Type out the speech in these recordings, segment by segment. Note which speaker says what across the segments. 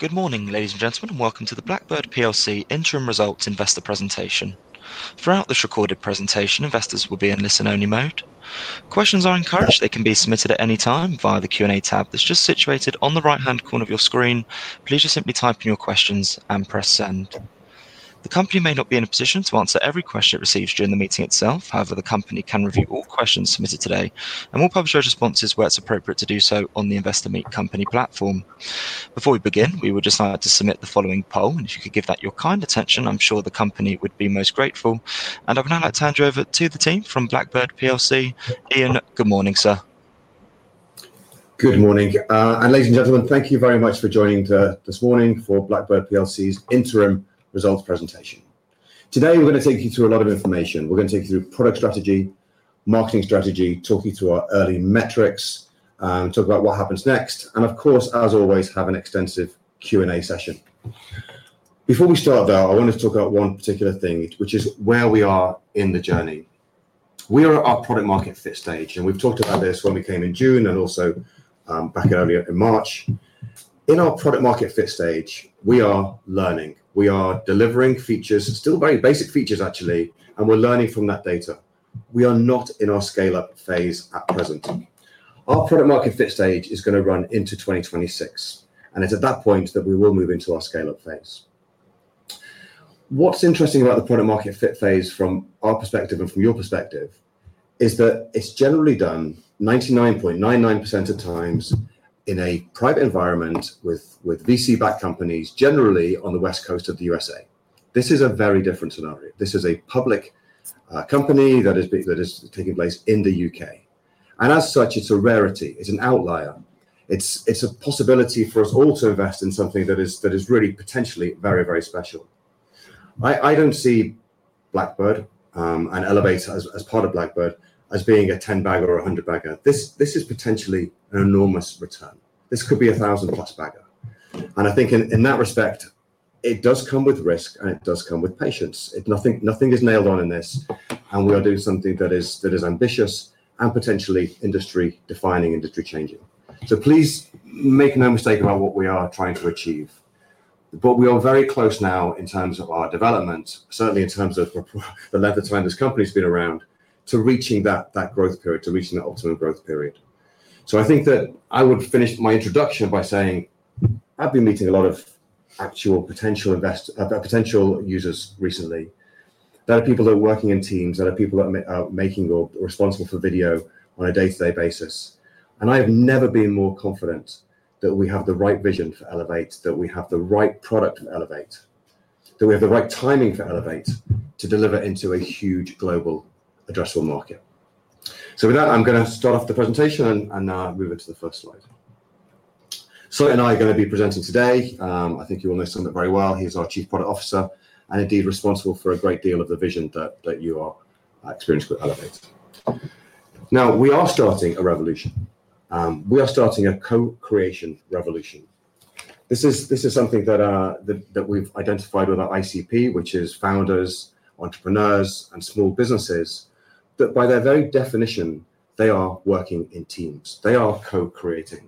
Speaker 1: Good morning, ladies and gentlemen, and welcome to the Blackbird PLC interim results investor presentation. Throughout this recorded presentation, investors will be in listen-only mode. Questions are encouraged, and they can be submitted at any time via the Q&A tab that's just situated on the right-hand corner of your screen. Please just simply type in your questions and press send. The company may not be in a position to answer every question it receives during the meeting itself. However, the company can review all questions submitted today and will publish those responses where it's appropriate to do so on the Investor Meet Company platform. Before we begin, we would just like to submit the following poll, and if you could give that your kind attention, I'm sure the company would be most grateful. I would now like to hand you over to the team from Blackbird PLC, Ian. Good morning, sir.
Speaker 2: Good morning, ladies and gentlemen, thank you very much for joining this morning for Blackbird PLC's interim results presentation. Today, we're going to take you through a lot of information. We're going to take you through product strategy, marketing strategy, talk you through our early metrics, and talk about what happens next. Of course, as always, we'll have an extensive Q&A session. Before we start, though, I want to talk about one particular thing, which is where we are in the journey. We are at our product market fit stage, and we've talked about this when we came in June and also back earlier in March. In our product market fit stage, we are learning. We are delivering features, still very basic features, actually, and we're learning from that data. We are not in our scale-up phase at present. Our product market fit stage is going to run into 2026, and it's at that point that we will move into our scale-up phase. What's interesting about the product market fit phase from our perspective and from your perspective is that it's generally done 99.99% of times in a private environment with VC-backed companies, generally on the West Coast of the U.S. This is a very different scenario. This is a public company that is taking place in the U.K. As such, it's a rarity. It's an outlier. It's a possibility for us all to invest in something that is really potentially very, very special. I don't see Blackbird and Elevate as part of Blackbird as being a 10-bagger or a 100-bagger. This is potentially an enormous return. This could be a thousand-plus-bagger. I think in that respect, it does come with risk, and it does come with patience. Nothing is nailed on in this, and we're going to do something that is ambitious and potentially industry-defining and industry-changing. Please make no mistake about what we are trying to achieve. We are very close now in terms of our development, certainly in terms of the length of time this company's been around, to reaching that growth period, to reaching that optimal growth period. I think that I would finish my introduction by saying I've been meeting a lot of actual potential users recently. There are people that are working in teams. There are people that are making or responsible for video on a day-to-day basis. I have never been more confident that we have the right vision for Elevate, that we have the right product for Elevate, that we have the right timing for Elevate to deliver into a huge global addressable market. With that, I'm going to start off the presentation and now move it to the first slide. Sumit and I are going to be presenting today. I think you all know Sumit very well. He's our Chief Product Officer and indeed responsible for a great deal of the vision that you all experience with Elevate. We are starting a revolution. We are starting a co-creation revolution. This is something that we've identified with our ICP, which is founders, entrepreneurs, and small businesses, that by their very definition, they are working in teams. They are co-creating.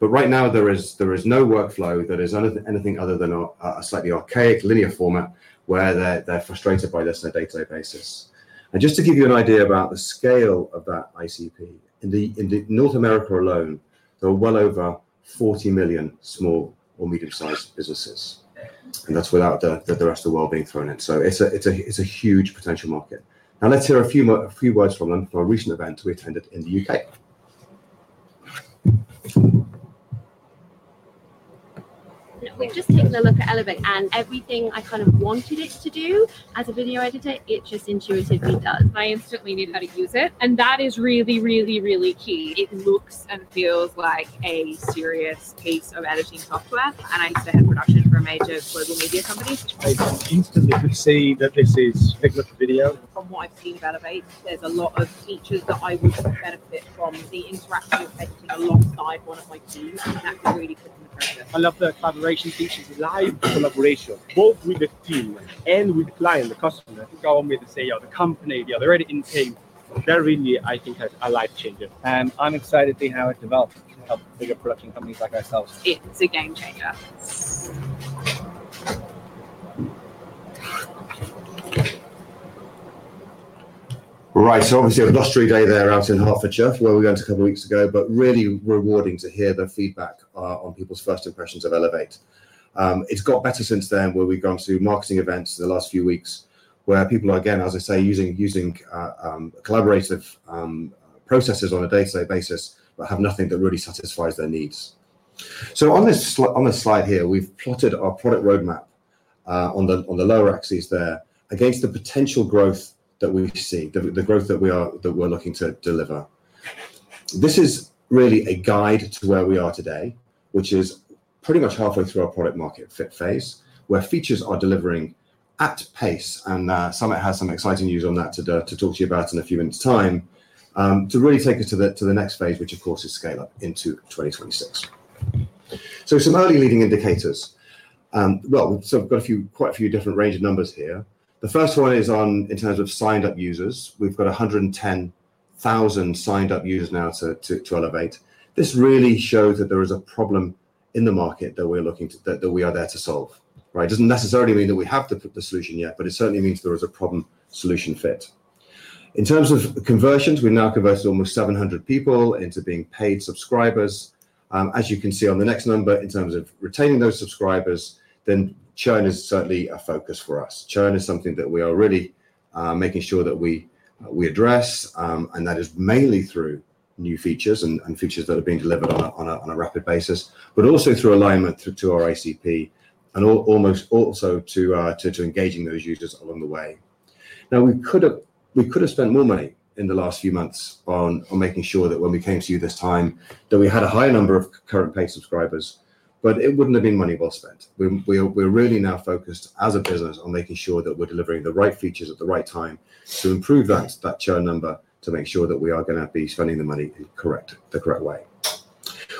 Speaker 2: Right now, there is no workflow that is anything other than a slightly archaic linear format where they're frustrated by this on a day-to-day basis. Just to give you an idea about the scale of that ICP, in North America alone, there are well over 40 million small or medium-sized businesses. That's without the rest of the world being thrown in. It's a huge potential market. Let's hear a few words from them from a recent event we attended in the U.K. We've just taken a look at Elevate, and everything I kind of wanted us to do as a video editor, it just intuitively does. I instantly knew how to use it. That is really, really, really key. It looks and feels like a serious piece of editing software. I used to head production for a major global media company. I instantly could see that this is fitness for video. From what I've seen of Elevate, there's a lot of features that I would benefit from. The interactive thing alongside one of my views, that really took me for a ride. I love the collaboration features and live collaboration, both with the team and with the client, the customer. I think the company, the editing team, they really, I think, had a life changer. I'm excited to see how it develops to help bigger production companies like ourselves. It's a game changer. Right, so obviously a blustery day there out in Hertfordshire, where we went a couple of weeks ago, but really rewarding to hear the feedback on people's first impressions of Elevate. It's got better since then, where we've gone to marketing events in the last few weeks, where people are, again, as I say, using collaborative processes on a day-to-day basis, but have nothing that really satisfies their needs. On this slide here, we've plotted our product roadmap on the lower axes there against the potential growth that we've seen, the growth that we're looking to deliver. This is really a guide to where we are today, which is pretty much halfway through our product market fit phase, where features are delivering at pace. Sumit has some exciting news on that to talk to you about in a few minutes' time, to really take us to the next phase, which of course is scale up into 2026. Some early leading indicators. We've got quite a few different range of numbers here. The first one is in terms of signed-up users. We've got 110,000 signed-up users now to Elevate. This really shows that there is a problem in the market that we are there to solve. It doesn't necessarily mean that we have the solution yet, but it certainly means there is a problem-solution fit. In terms of conversions, we now converted almost 700 people into being paid subscribers. As you can see on the next number, in terms of retaining those subscribers, churn is certainly a focus for us. Churn is something that we are really making sure that we address, and that is mainly through new features and features that are being delivered on a rapid basis, but also through alignment to our ICP and almost also to engaging those users along the way. We could have spent more money in the last few months on making sure that when we came to you this time, that we had a higher number of current paid subscribers, but it wouldn't have been money well spent. We're really now focused as a business on making sure that we're delivering the right features at the right time to improve that churn number, to make sure that we are going to be spending the money the correct way.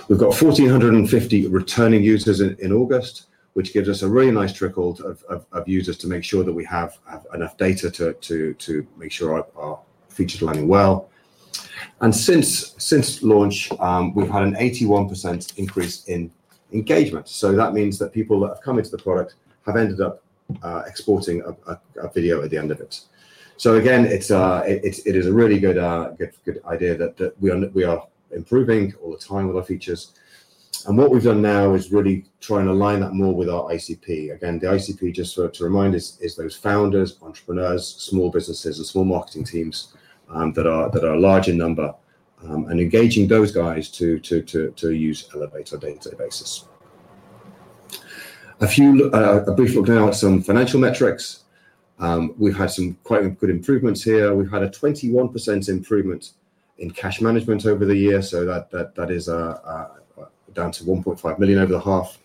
Speaker 2: We've got 1,450 returning users in August, which gives us a really nice trickle of users to make sure that we have enough data to make sure our features are landing well. Since launch, we've had an 81% increase in engagement. That means that people that have come into the product have ended up exporting a video at the end of it. It is a really good idea that we are improving all the time with our features. What we've done now is really try and align that more with our ICP. The ICP, just to remind us, is those founders, entrepreneurs, small businesses, and small marketing teams that are large in number and engaging those guys to use Elevate on a day-to-day basis. A brief look now at some financial metrics. We've had some quite good improvements here. We've had a 21% improvement in cash management over the year, so that is down to 1.5 million over the half.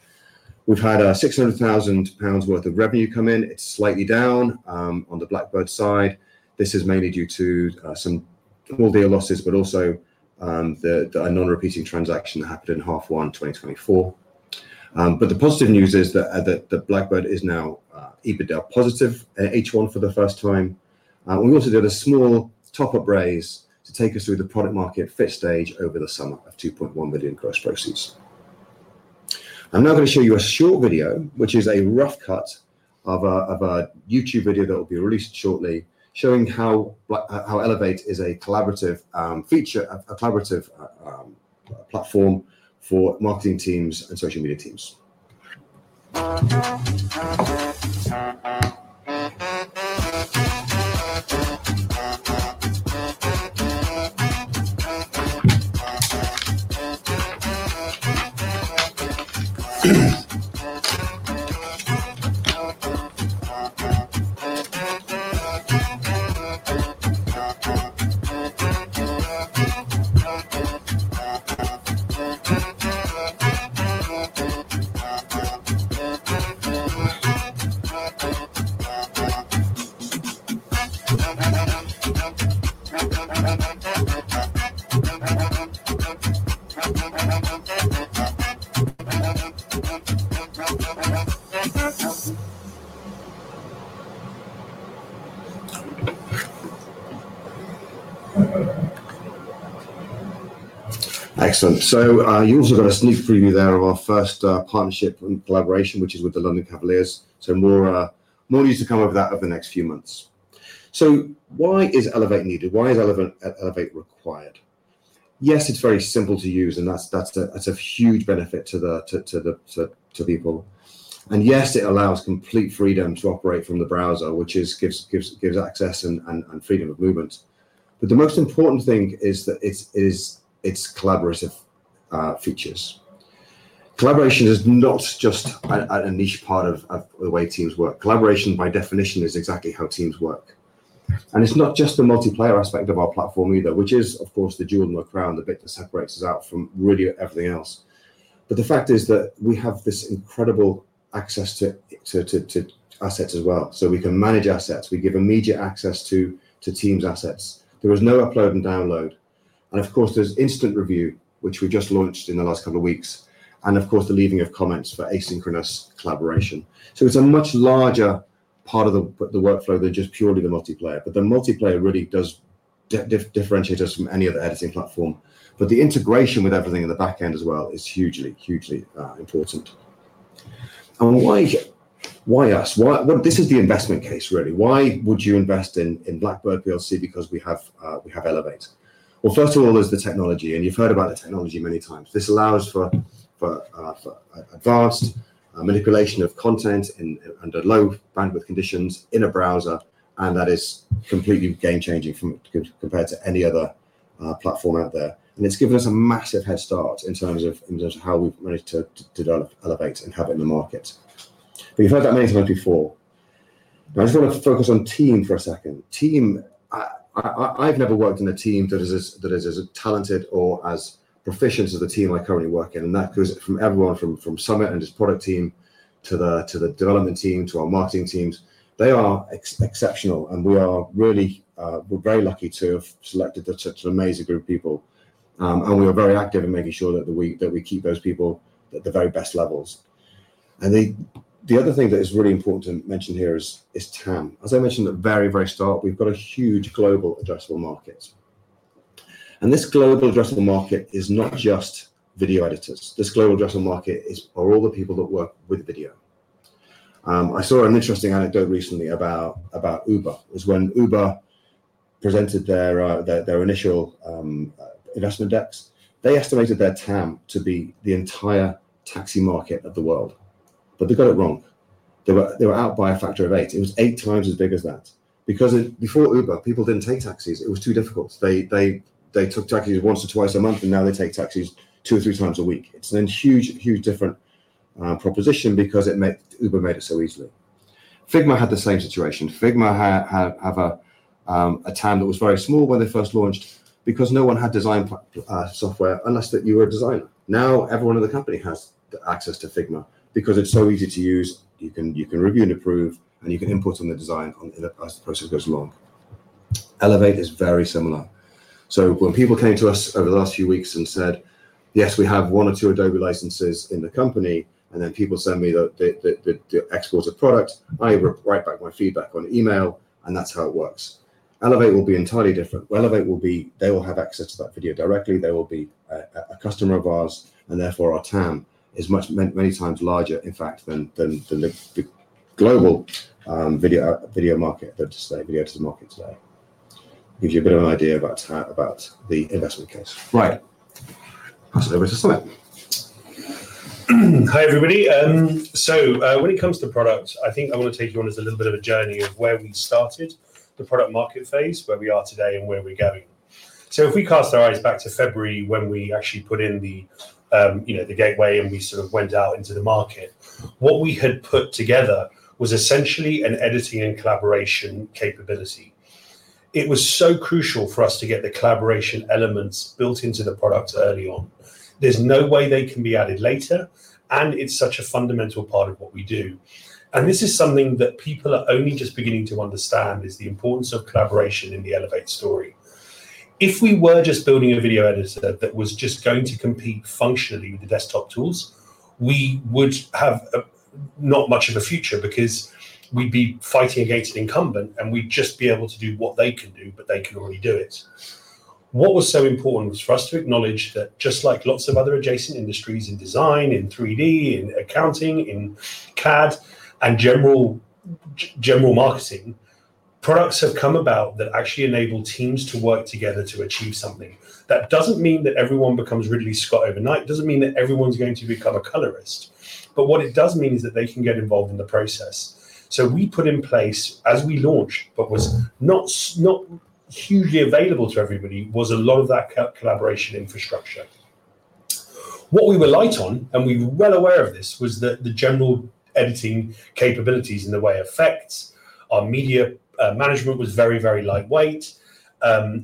Speaker 2: We've had 600,000 pounds worth of revenue come in. It's slightly down on the Blackbird side. This is mainly due to some whole deal losses, but also a non-repeating transaction that happened in half one, 2024. The positive news is that Blackbird is now EBITDA positive H1 for the first time. We also did a small top-up raise to take us through the product market fit stage over the summer of 2.1 million gross proceeds. I'm now going to show you a short video, which is a rough cut of a YouTube video that will be released shortly, showing how Elevate is a collaborative platform for marketing teams and social media teams. Excellent. You also got a sneak preview there of our first partnership and collaboration, which is with the London Cavaliers. More news to come over that over the next few months. Why is Elevate needed? Why is Elevate required? Yes, it's very simple to use, and that's a huge benefit to people. Yes, it allows complete freedom to operate from the browser, which gives access and freedom of movement. The most important thing is that it's collaborative features. Collaboration is not just a niche part of the way teams work. Collaboration by definition is exactly how teams work. It's not just the multiplayer aspect of our platform either, which is, of course, the jewel in the crown, the bit that separates us out from really everything else. The fact is that we have this incredible access to assets as well. We can manage assets. We give immediate access to teams' assets. There is no upload and download. There is instant review, which we just launched in the last couple of weeks. There is the leaving of comments for asynchronous collaboration. It's a much larger part of the workflow than just purely the multiplayer. The multiplayer really does differentiate us from any other editing platform. The integration with everything in the backend as well is hugely, hugely important. Why us? This is the investment case, really. Why would you invest in Blackbird PLC? Because we have Elevate. First of all, it's the technology. You've heard about the technology many times. This allows for advanced manipulation of content under low bandwidth conditions in a browser, and that is completely game-changing compared to any other platform out there. It's given us a massive head start in terms of how we've managed to develop Elevate and have it in the market. You've heard that many times before. I just want to focus on team for a second. Team, I've never worked in a team that is as talented or as proficient as the team I currently work in. That goes from everyone from Sumit and his product team to the development team, to our marketing teams. They are exceptional. We are really, we're very lucky to have selected such an amazing group of people. We're very active in making sure that we keep those people at the very best levels. The other thing that is really important to mention here is TAM. As I mentioned at the very, very start, we've got a huge global addressable market. This global addressable market is not just video editors. This global addressable market is all the people that work with video. I saw an interesting anecdote recently about Uber. It was when Uber presented their initial investment deck. They estimated their TAM to be the entire taxi market of the world, but they got it wrong. They were out by a factor of eight. It was eight times as big as that because before Uber, people didn't take taxis. It was too difficult. They took taxis once or twice a month, and now they take taxis two or three times a week. It's a huge, huge different proposition because Uber made it so easy. Figma had the same situation. Figma had a TAM that was very small when they first launched because no one had design software unless you were a designer. Now everyone in the company has access to Figma because it's so easy to use. You can review and approve, and you can input on the design as the process goes along. Elevate is very similar. When people came to us over the last few weeks and said, yes, we have one or two Adobe licenses in the company, and then people send me the exported product, I write back my feedback on email, and that's how it works. Elevate will be entirely different. Elevate will be, they will have access to that video directly. They will be a customer of ours, and therefore our TAM is many times larger, in fact, than the global video market that's the editor's market today. Gives you a bit of an idea about the investment case. Right. Pass it over to Sumit.
Speaker 3: Hi, everybody. When it comes to product, I think I want to take you on a little bit of a journey of where we started the product market phase, where we are today, and where we're going. If we cast our eyes back to February when we actually put in the gateway and we sort of went out into the market, what we had put together was essentially an editing and collaboration capability. It was so crucial for us to get the collaboration elements built into the product early on. There's no way they can be added later, and it's such a fundamental part of what we do. This is something that people are only just beginning to understand is the importance of collaboration in the Elevate story. If we were just building a video editor that was just going to compete functionally with the desktop tools, we would have not much of a future because we'd be fighting against an incumbent, and we'd just be able to do what they could do, but they could only do it. What was so important was for us to acknowledge that just like lots of other adjacent industries in design, in 3D, in accounting, in CAD, and general marketing, products have come about that actually enable teams to work together to achieve something. That doesn't mean that everyone becomes Ridley Scott overnight. It doesn't mean that everyone's going to become a colorist. What it does mean is that they can get involved in the process. We put in place, as we launched, what was not hugely available to everybody was a lot of that collaboration infrastructure. What we were light on, and we were well aware of this, was that the general editing capabilities in the way of effects, our media management was very, very lightweight.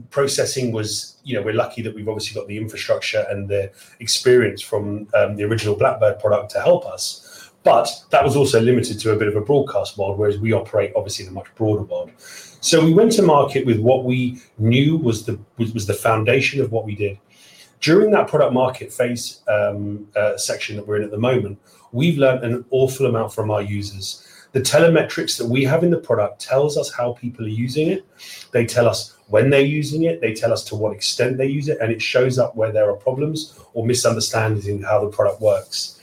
Speaker 3: Processing was, you know, we're lucky that we've obviously got the infrastructure and the experience from the original Blackbird product to help us. That was also limited to a bit of a broadcast world, whereas we operate obviously in a much broader world. We went to market with what we knew was the foundation of what we did. During that product market phase section that we're in at the moment, we've learned an awful amount from our users. The telemetrics that we have in the product tell us how people are using it. They tell us when they're using it. They tell us to what extent they use it, and it shows up where there are problems or misunderstandings in how the product works.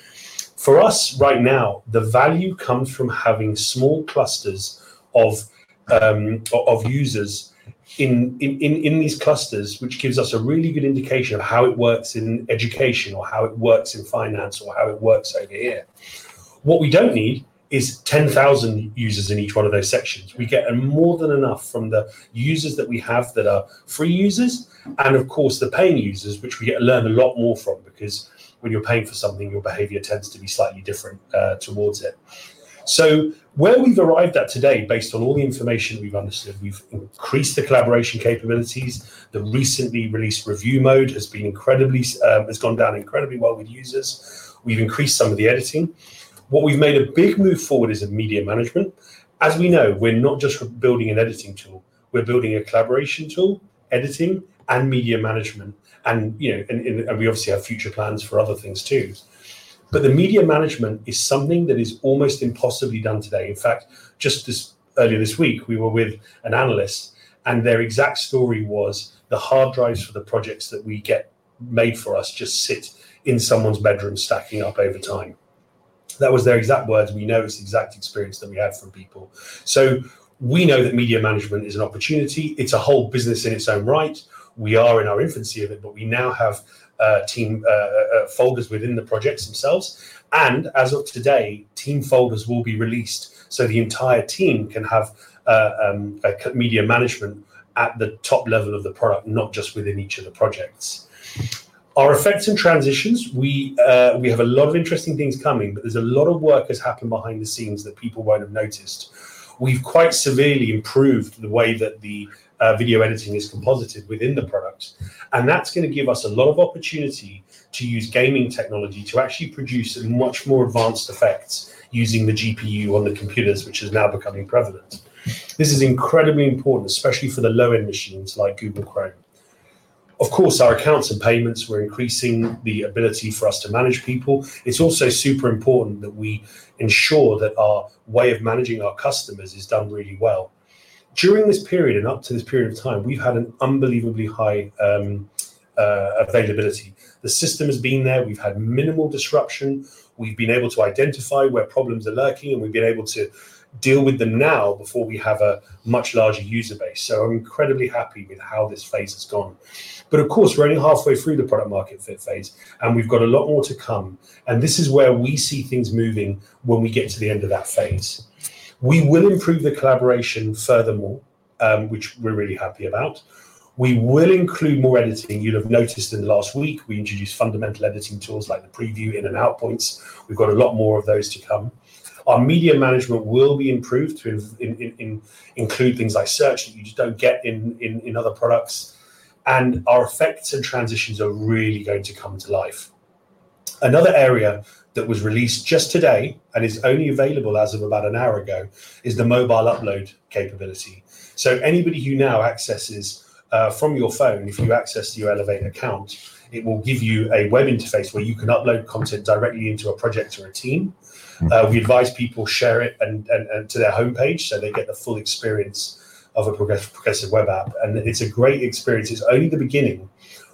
Speaker 3: For us right now, the value comes from having small clusters of users in these clusters, which gives us a really good indication of how it works in education or how it works in finance or how it works over here. What we don't need is 10,000 users in each one of those sections. We get more than enough from the users that we have that are free users and, of course, the paying users, which we get to learn a lot more from because when you're paying for something, your behavior tends to be slightly different towards it. Where we've arrived at today, based on all the information we've understood, we've increased the collaboration capabilities. The recently released review mode has gone down incredibly well with users. We've increased some of the editing. What we've made a big move forward is in media management. As we know, we're not just building an editing tool. We're building a collaboration tool, editing, and media management. We obviously have future plans for other things too. The media management is something that is almost impossibly done today. In fact, just earlier this week, we were with an analyst, and their exact story was the hard drives for the projects that we get made for us just sit in someone's bedroom stacking up over time. That was their exact words. We know it's the exact experience that we had for people. We know that media management is an opportunity. It's a whole business in its own right. We are in our infancy of it, but we now have team folders within the projects themselves. As of today, team folders will be released so the entire team can have media management at the top level of the product, not just within each of the projects. Our effects and transitions, we have a lot of interesting things coming, but there's a lot of work that's happened behind the scenes that people won't have noticed. We've quite severely improved the way that the video editing is composited within the product. That's going to give us a lot of opportunity to use gaming technology to actually produce some much more advanced effects using the GPU on the computers, which is now becoming prevalent. This is incredibly important, especially for the low-end machines like Google Chrome. Of course, our accounts and payments were increasing the ability for us to manage people. It's also super important that we ensure that our way of managing our customers is done really well. During this period and up to this period of time, we've had an unbelievably high obtainability. The system has been there. We've had minimal disruption. We've been able to identify where problems are lurking, and we've been able to deal with them now before we have a much larger user base. I'm incredibly happy with how this phase has gone. Of course, we're only halfway through the product market fit phase, and we've got a lot more to come. This is where we see things moving when we get to the end of that phase. We will improve the collaboration furthermore, which we're really happy about. We will include more editing. You'll have noticed in the last week, we introduced fundamental editing tools like the preview in and out points. We've got a lot more of those to come. Our media management will be improved to include things like search that you just don't get in other products. Our effects and transitions are really going to come to life. Another area that was released just today, and it's only available as of about an hour ago, is the mobile upload capability. Anybody who now accesses from your phone, if you access your Elevate account, it will give you a web interface where you can upload content directly into a project or a team. We advise people to share it to their homepage so they get the full experience of a progressive web app. It's a great experience. It's only the beginning.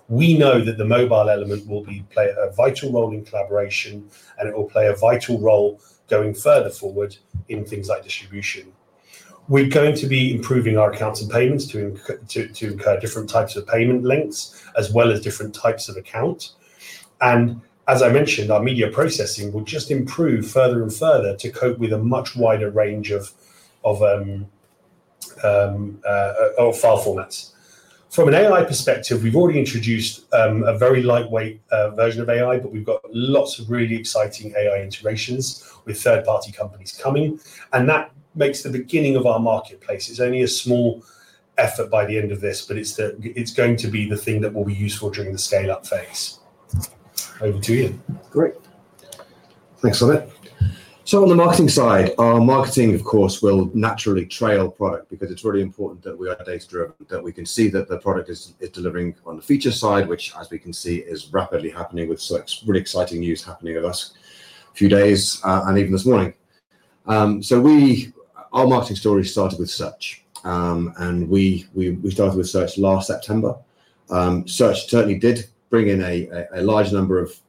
Speaker 3: We know that the mobile element will play a vital role in collaboration, and it will play a vital role going further forward in things like distribution. We're going to be improving our accounts and payments to different types of payment lengths, as well as different types of accounts. As I mentioned, our media processing will just improve further and further to cope with a much wider range of file formats. From an AI perspective, we've already introduced a very lightweight version of AI, but we've got lots of really exciting AI integrations with third-party companies coming. That makes the beginning of our marketplace. It's only a small effort by the end of this, but it's going to be the thing that will be useful during the scale-up phase. Over to Ian.
Speaker 2: Great. Thanks, Sumit. On the marketing side, our marketing, of course, will naturally trail product because it's really important that we are data-driven, that we can see that the product is delivering on the feature side, which, as we can see, is rapidly happening with some really exciting news happening in the last few days and even this morning. Our marketing story started with search. We started with search last September. Search certainly did bring in a large number of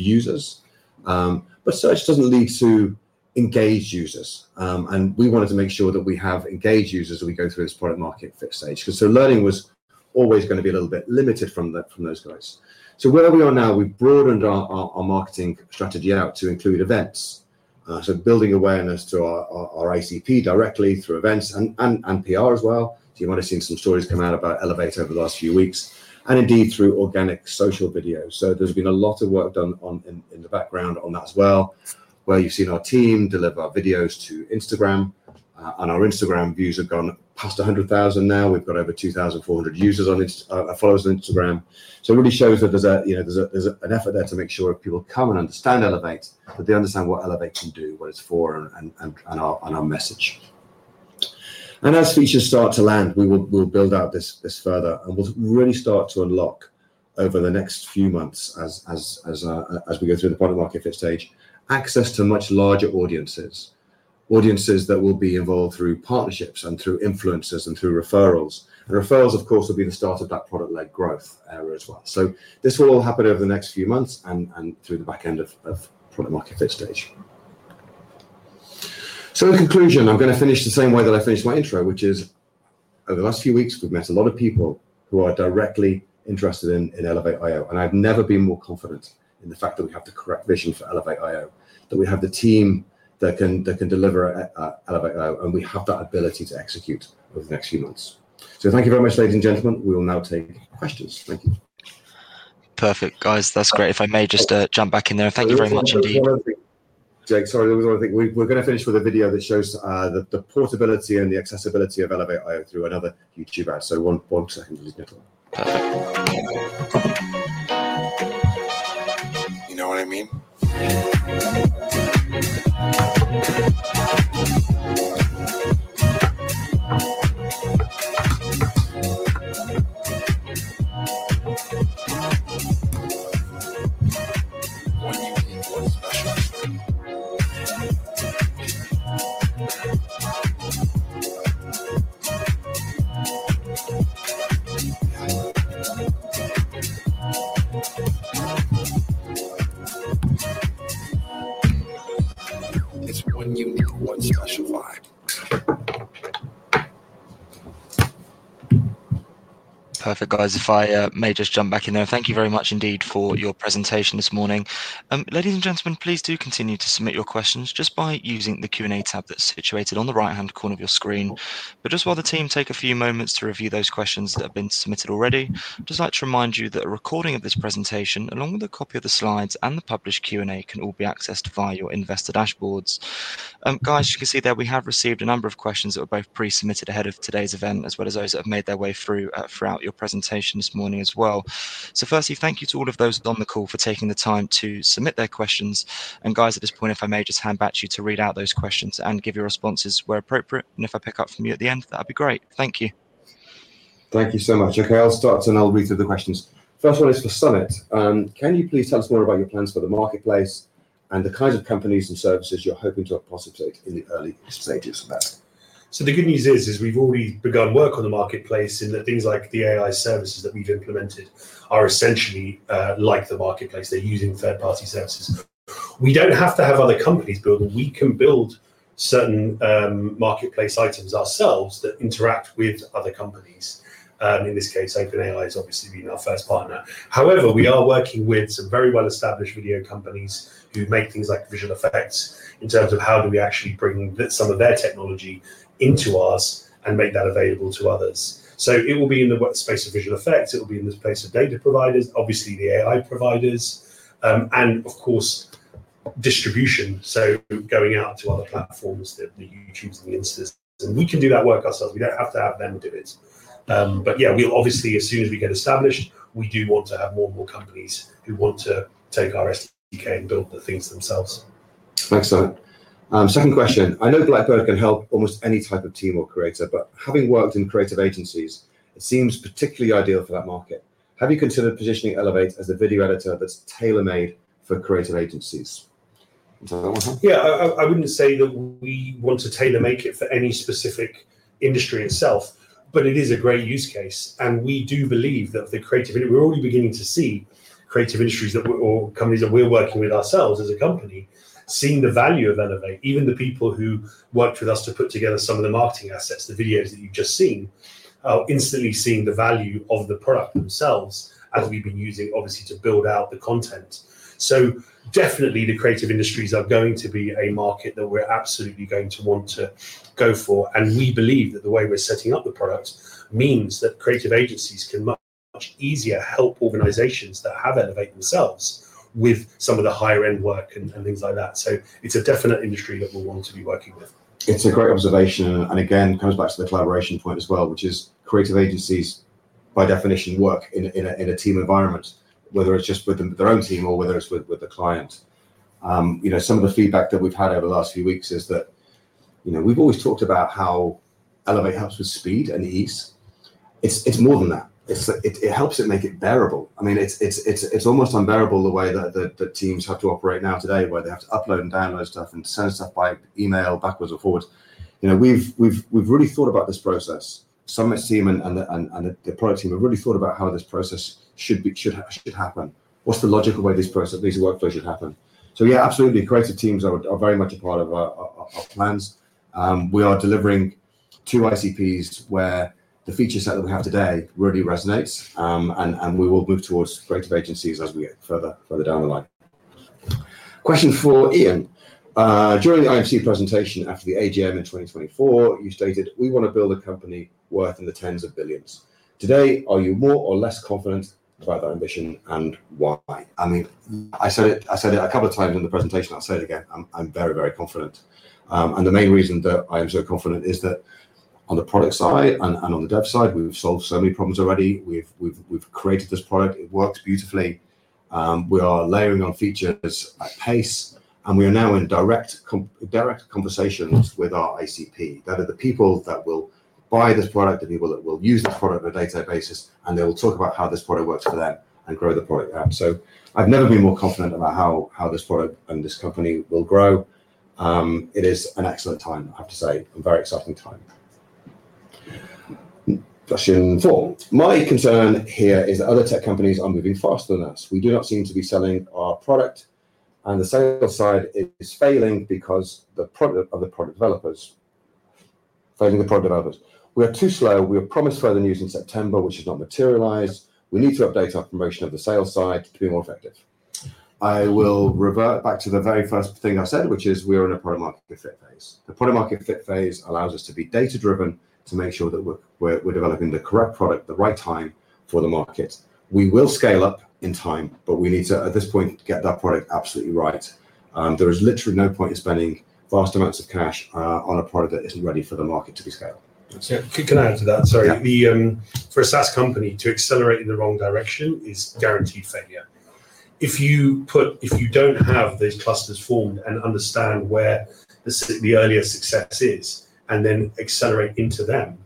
Speaker 2: users, but search doesn't need to engage users. We wanted to make sure that we have engaged users as we go through this product market fit stage. Learning was always going to be a little bit limited from those guys. Wherever we are now, we've broadened our marketing strategy out to include events. Building awareness to our ICP directly through events and PR as well. You might have seen some stories come out about Elevate over the last few weeks, and indeed through organic social videos. There's been a lot of work done in the background on that as well, where you've seen our team deliver videos to Instagram. Our Instagram views have gone past 100,000 now. We've got over 2,400 followers on Instagram. It really shows that there's an effort there to make sure people come and understand Elevate, but they understand what Elevate can do, what it's for, and our message. As features start to land, we'll build out this further. We'll really start to unlock over the next few months as we go through the product market fit stage, access to much larger audiences, audiences that will be involved through partnerships and through influencers and through referrals. Referrals, of course, will be the start of that product-led growth area as well. This will all happen over the next few months and through the back end of product market fit stage. In conclusion, I'm going to finish the same way that I finished my intro, which is over the last few weeks, we've met a lot of people who are directly interested in Elevate. I've never been more confident in the fact that we have the correct vision for Elevate, that we have the team that can deliver Elevate, and we have that ability to execute over the next few months. Thank you very much, ladies and gentlemen. We will now take questions. Thank you.
Speaker 1: Perfect, guys. That's great. If I may just jump back in there, thank you very much indeed.
Speaker 2: Jay, sorry, I was going to think we're going to finish with a video that shows the profitability and the accessibility of Elevate through another YouTube ad. Give me a second.
Speaker 1: Perfect, guys. If I may just jump back in there, thank you very much indeed for your presentation this morning. Ladies and gentlemen, please do continue to submit your questions just by using the Q&A tab that's situated on the right-hand corner of your screen. While the team take a few moments to review those questions that have been submitted already, I'd just like to remind you that a recording of this presentation, along with a copy of the slides and the published Q&A, can all be accessed via your investor dashboards. You can see there we have received a number of questions that were both pre-submitted ahead of today's event, as well as those that have made their way through throughout your presentation this morning as well. Firstly, thank you to all of those that are on the call for taking the time to submit their questions. At this point, if I may just hand back to you to read out those questions and give your responses where appropriate. If I pick up from you at the end, that'd be great. Thank you.
Speaker 2: Thank you so much. Okay, I'll start and I'll read through the questions. First one is for Sumit. Can you please tell us more about your plans for the marketplace and the kinds of companies and services you're hoping to have posited in the early stages of that?
Speaker 3: The good news is we've already begun work on the marketplace in that things like the AI services that we've implemented are essentially like the marketplace. They're using third-party services. We don't have to have other companies build them. We can build certain marketplace items ourselves that interact with other companies. In this case, OpenAI has obviously been our first partner. However, we are working with some very well-established video companies who make things like the visual effects in terms of how do we actually bring some of their technology into ours and make that available to others. It will be in the space of visual effects, in the space of data providers, obviously the AI providers, and of course, distribution. Going out to other platforms like YouTube, for instance, we can do that work ourselves. We don't have to have them do it. As soon as we get established, we do want to have more and more companies who want to take our rest of the U.K. and build the things themselves.
Speaker 2: Thanks, Sumit. Second question. I know Blackbird can help almost any type of team or creator, but having worked in creative agencies, it seems particularly ideal for that market. Have you considered positioning Elevate as a video editor that's tailor-made for creative agencies?
Speaker 3: Yeah, I wouldn't say that we want to tailor-make it for any specific industry itself, but it is a great use case. We do believe that the creative, we're already beginning to see creative industries or companies that we're working with ourselves as a company, seeing the value of Elevate. Even the people who worked with us to put together some of the marketing assets, the videos that you've just seen, are instantly seeing the value of the product themselves as we've been using, obviously, to build out the content. Definitely, the creative industries are going to be a market that we're absolutely going to want to go for. We believe that the way we're setting up the product means that creative agencies can much easier help organizations that have Elevate themselves with some of the higher-end work and things like that. It's a definite industry that we'll want to be working with.
Speaker 2: It's a great observation. Again, coming back to the collaboration point as well, which is creative agencies, by definition, work in a team environment, whether it's just with their own team or whether it's with the client. Some of the feedback that we've had over the last few weeks is that we've always talked about how Elevate helps with speed and ease. It's more than that. It helps make it bearable. I mean, it's almost unbearable the way that teams have to operate now today, where they have to upload and download stuff and send stuff by email backwards and forwards. We've really thought about this process. Sumit's team and the product team have really thought about how this process should happen. What's the logical way this process, at least the workflow, should happen? Absolutely, creative teams are very much a part of our plans. We are delivering to ICPs where the feature set that we have today really resonates, and we will move towards creative agencies as we get further down the line. Question for Ian. During the IMC presentation after the AGM in 2024, you stated, "We want to build a company worth in the tens of billions." Today, are you more or less confident about that ambition and why? I said it a couple of times in the presentation. I'll say it again. I'm very, very confident. The main reason that I am so confident is that on the product side and on the dev side, we've solved so many problems already. We've created this product. It works beautifully. We are layering on features at pace, and we are now in direct conversations with our ICP. That is the people that will buy this product, the people that will use this product on a day-to-day basis, and they will talk about how this product works for them and grow the product out. I've never been more confident about how this product and this company will grow. It is an excellent time, I have to say. A very exciting time. Question four. My concern here is that other tech companies are moving faster than us. We do not seem to be selling our product, and the selling side is failing because of the product developers. Failing the product developers. We are too slow. We were promised further news in September, which has not materialized. We need to update our promotion of the sales side to be more effective. I will revert back to the very first thing I said, which is we're in a product market fit phase. The product market fit phase allows us to be data-driven to make sure that we're developing the correct product at the right time for the market. We will scale up in time, but we need to, at this point, get that product absolutely right. There is literally no point in spending vast amounts of cash on a product that isn't ready for the market to be scaled.
Speaker 3: Can I add to that? Sorry. For a SaaS company, to accelerate in the wrong direction is guaranteed failure. If you don't have those clusters formed and understand where the earliest success is, and then accelerate into them,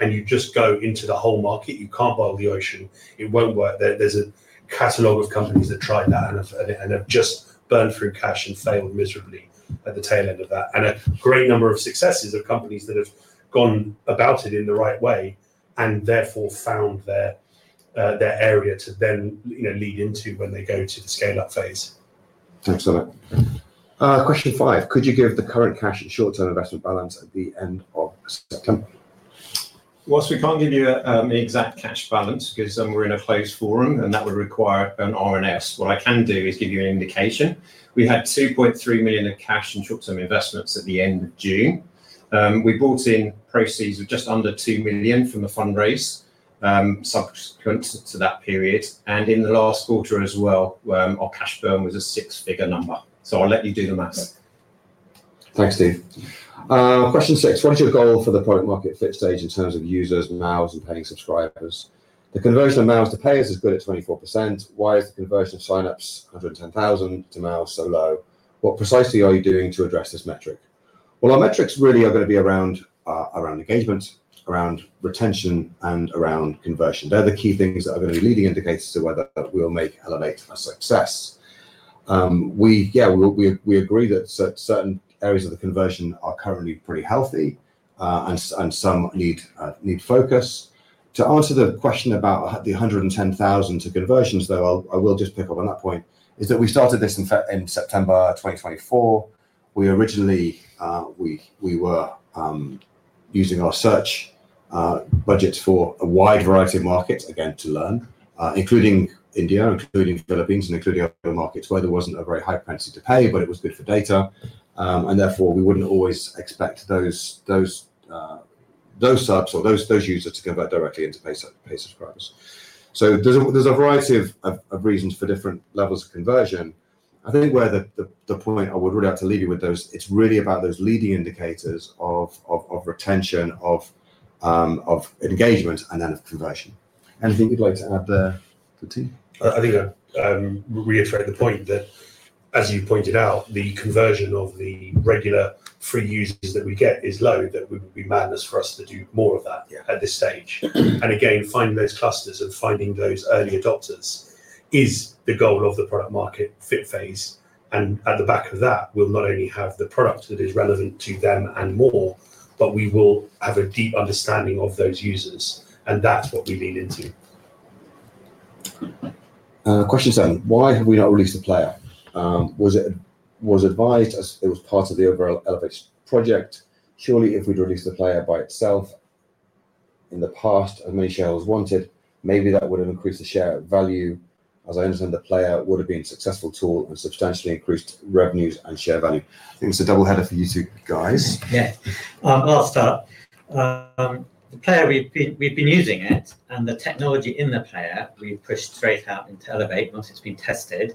Speaker 3: you just go into the whole market, you can't boil the ocean. It won't work. There's a catalog of companies that tried that and have just burned through cash and failed miserably at the tail end of that. There are a great number of successes of companies that have gone about it in the right way and therefore found their area to then lead into when they go to the scale-up phase.
Speaker 2: Thanks, Sumit. Question five. Could you give the current cash and short-term investment balance at the end of September?
Speaker 4: Whilst we can't give you an exact cash balance because we're in a closed forum and that would require an R&S, what I can do is give you an indication. We had 2.3 million of cash and short-term investments at the end of June. We brought in proceeds of just under 2 million from a fundraise subsequent to that period. In the last quarter as well, our cash burn was a six-figure number. I'll let you do the math.
Speaker 2: Thanks, Steve. Question six. What is your goal for the product market fit stage in terms of users, MAUs, and paying subscribers? The conversion of MAUs to payers is good at 24%. Why is the conversion of sign-ups, 110,000, to MAUs so low? What precisely are you doing to address this metric? Our metrics really are going to be around engagement, around retention, and around conversion. They're the key things that are going to be leading indicators of whether we'll make Elevate a success. Yeah, we agree that certain areas of the conversion are currently pretty healthy and some need focus. To answer the question about the 110,000 to conversions, I will just pick up on that point. We started this in September 2024. We were using our search budgets for a wide variety of markets, again, to learn, including India, including Philippines, and including other markets where there wasn't a very high propensity to pay, but it was good for data. Therefore, we wouldn't always expect those subs or those users to convert directly into paid subscribers. There's a variety of reasons for different levels of conversion. I think the point I would really like to leave you with is it's really about those leading indicators of retention, of engagement, and then of conversion. Anything you'd like to add there, Tim?
Speaker 5: I think that reiterates the point that, as you pointed out, the conversion of the regular free users that we get is low. That would be madness for us to do more of that at this stage. Finding those clusters and finding those early adopters is the goal of the product market fit phase. At the back of that, we'll not only have the product that is relevant to them and more, but we will have a deep understanding of those users. That's what we lean into.
Speaker 2: Question seven. Why have we not released a player? Was it advised as it was part of the overall Elevate project? Surely, if we'd released a player by itself in the past, as many shares as wanted, maybe that would have increased the share value. As I understand, the player would have been a successful tool and substantially increased revenues and share value. I think it's a double header for you two, guys.
Speaker 4: Yes. I'll start. The player, we've been using it and the technology in the player, we've pushed straight out into Elevate once it's been tested.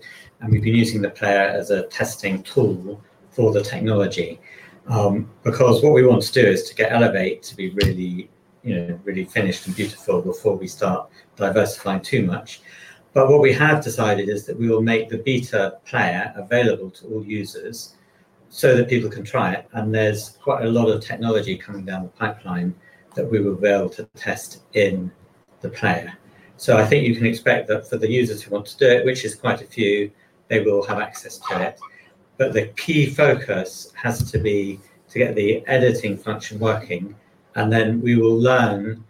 Speaker 4: We've been using the player as a testing tool for the technology. What we want to do is to get Elevate to be really, you know, really finished and beautiful before we start diversifying too much. What we have decided is that we will make the beta player available to all users so that people can try it. There's quite a lot of technology coming down the pipeline that we will be able to test in the player. I think you can expect that for the users who want to do it, which is quite a few, they will have access to it. The key focus has to be to get the editing function working. We will learn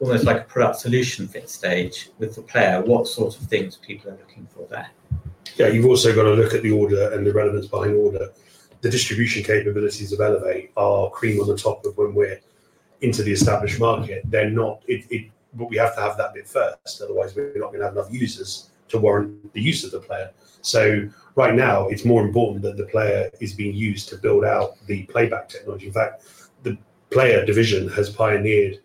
Speaker 4: almost like a product solution fit stage with the player, what sort of things people are looking for there.
Speaker 5: You have also got to look at the order and the relevance buying order. The distribution capabilities of Elevate are clean on the top of when we're into the established market. They're not, but we have to have that bit first. Otherwise, we're not going to have enough users to warrant the use of the player. Right now, it's more important that the player is being used to build out the playback technology. In fact, the player division has pioneered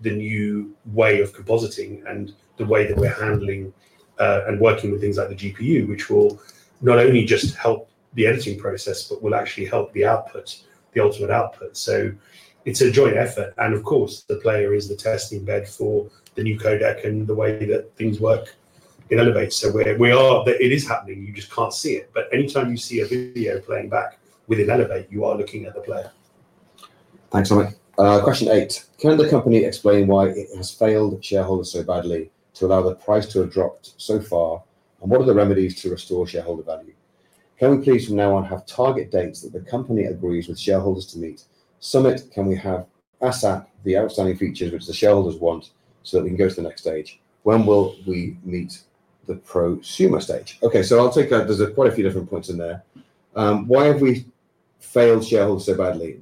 Speaker 5: the new way of compositing and the way that we're handling and working with things like the GPU, which will not only just help the editing process, but will actually help the output, the ultimate output. It is a joint effort. Of course, the player is the testing bed for the new codec and the way that things work in Elevate. It is happening. You just can't see it. Anytime you see a video playing back within Elevate, you are looking at the player.
Speaker 2: Thanks, Sumit. Question eight. Can the company explain why it has failed the shareholders so badly to allow the price to have dropped so far? What are the remedies to restore shareholder value? Can we please from now on have target dates that the company agrees with shareholders to meet? Sumit, can we have the outstanding features which the shareholders want so that we can go to the next stage? When will we meet the prosumer stage? Okay, so I'll take a, there's quite a few different points in there. Why have we failed shareholders so badly?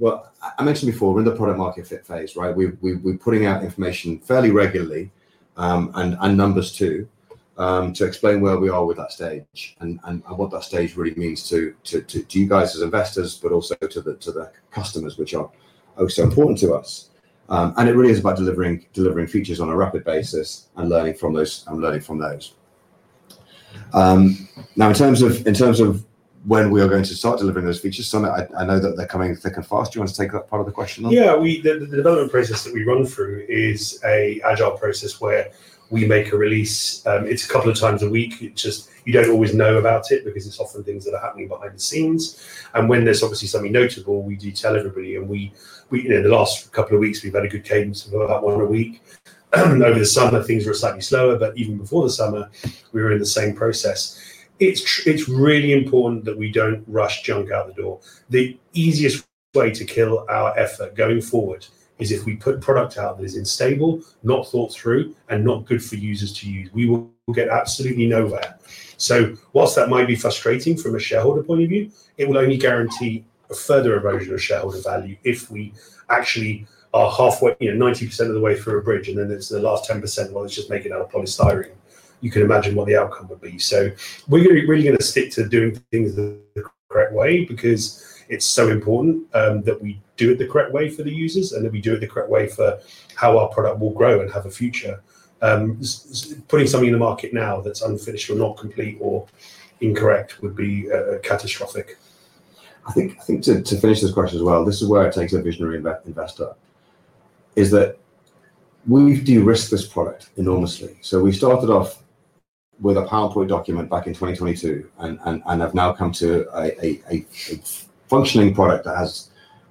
Speaker 2: I mentioned before, we're in the product market fit phase, right? We're putting out information fairly regularly and numbers too to explain where we are with that stage and what that stage really means to you guys as investors, but also to the customers, which are oh so important to us. It really is about delivering features on a rapid basis and learning from those and learning from those. Now, in terms of when we are going to start delivering those features, Sumit, I know that they're coming thick and fast. Do you want to take that part of the question?
Speaker 3: Yeah, the development process that we run through is an agile process where we make a release a couple of times a week. You don't always know about it because it's often things that are happening behind the scenes. When there's obviously something notable, we do tell everybody. The last couple of weeks, we've had a good cadence of about one a week. Over the summer, things were slightly slower, but even before the summer, we were in the same process. It's really important that we don't rush junk out the door. The easiest way to kill our effort going forward is if we put product out that is unstable, not thought through, and not good for users to use. We will get absolutely nowhere. Whilst that might be frustrating from a shareholder point of view, it will only guarantee a further erosion of shareholder value if we actually are halfway, you know, 90% of the way through a bridge, and then it's the last 10% of the world. Let's just make it out of polystyrene. You can imagine what the outcome would be. We're really going to stick to doing things the correct way because it's so important that we do it the correct way for the users and that we do it the correct way for how our product will grow and have a future. Putting something in the market now that's unfinished or not complete or incorrect would be catastrophic.
Speaker 2: I think to finish this question as well, this is where it takes a visionary investor, is that we do risk this product enormously. We started off with a PowerPoint document back in 2022 and have now come to a functioning product that has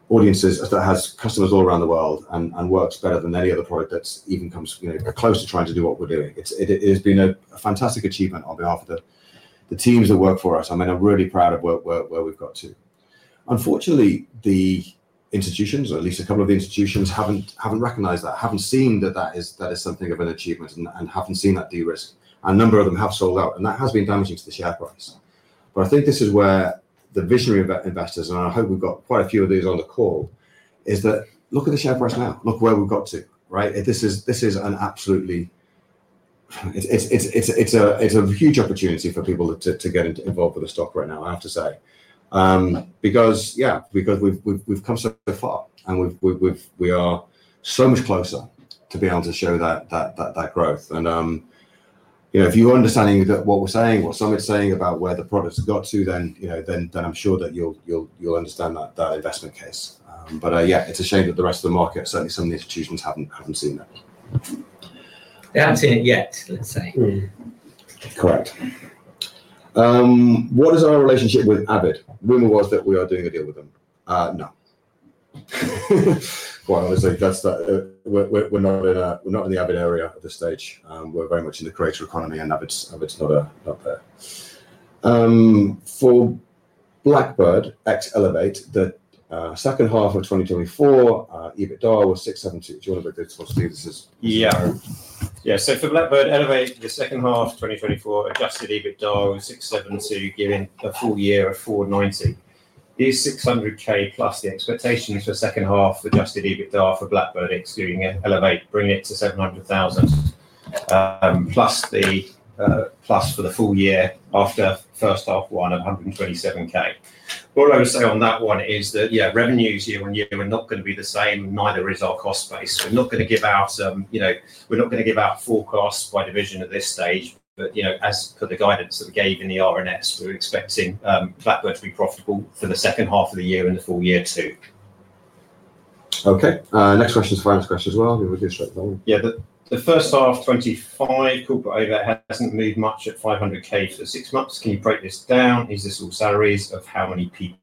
Speaker 2: audiences, that has customers all around the world and works better than any other product that even comes close to trying to do what we're doing. It has been a fantastic achievement on behalf of the teams that work for us. I'm really proud of where we've got to. Unfortunately, the institutions, or at least a couple of the institutions, haven't recognized that, haven't seen that that is something of an achievement and haven't seen that de-risk. A number of them have sold out, and that has been damaging to the share price. I think this is where the visionary investors, and I hope we've got quite a few of these on the call, is that look at the share price now. Look where we've got to, right? This is an absolutely, it's a huge opportunity for people to get involved with the stock right now, I have to say. Because we've come so far and we are so much closer to be able to show that growth. If you're understanding what we're saying, what Sumit is saying about where the product's got to, then I'm sure that you'll understand that investment case. It's a shame that the rest of the market, certainly some of the institutions, haven't seen that.
Speaker 4: They haven't seen it yet, let's say.
Speaker 2: Correct. What is our relationship with Avid? Rumor was that we are doing a deal with them. No. We are not in the Avid area at this stage. We are very much in the creator economy and Avid's not a bet. For Blackbird, ex-Elevate, the second half of 2024, EBITDA was 672. Do you want to read this one to see if this is?
Speaker 4: Yeah. Yeah. For Blackbird, Elevate, the second half of 2024, adjusted EBITDA was 672,000, giving a full year of 490,000. These 600,000 plus the expectations for the second half, adjusted EBITDA for Blackbird, excluding Elevate, bringing it to 700,000, plus for the full year after first half one of 127,000. What I would say on that one is that, yeah, revenues year on year are not going to be the same, neither is our cost base. We're not going to give out some, you know, we're not going to give out forecasts by division at this stage. You know, as per the guidance that we gave in the RNS, we're expecting Blackbird to be profitable for the second half of the year and the full year too.
Speaker 2: Okay. Next question is a finance question as well. We'll just...
Speaker 4: Yeah, the first half of 2025, corporate overhead hasn't moved much at 500,000 for the six months. Can you break this down? Is this all salaries of how many people?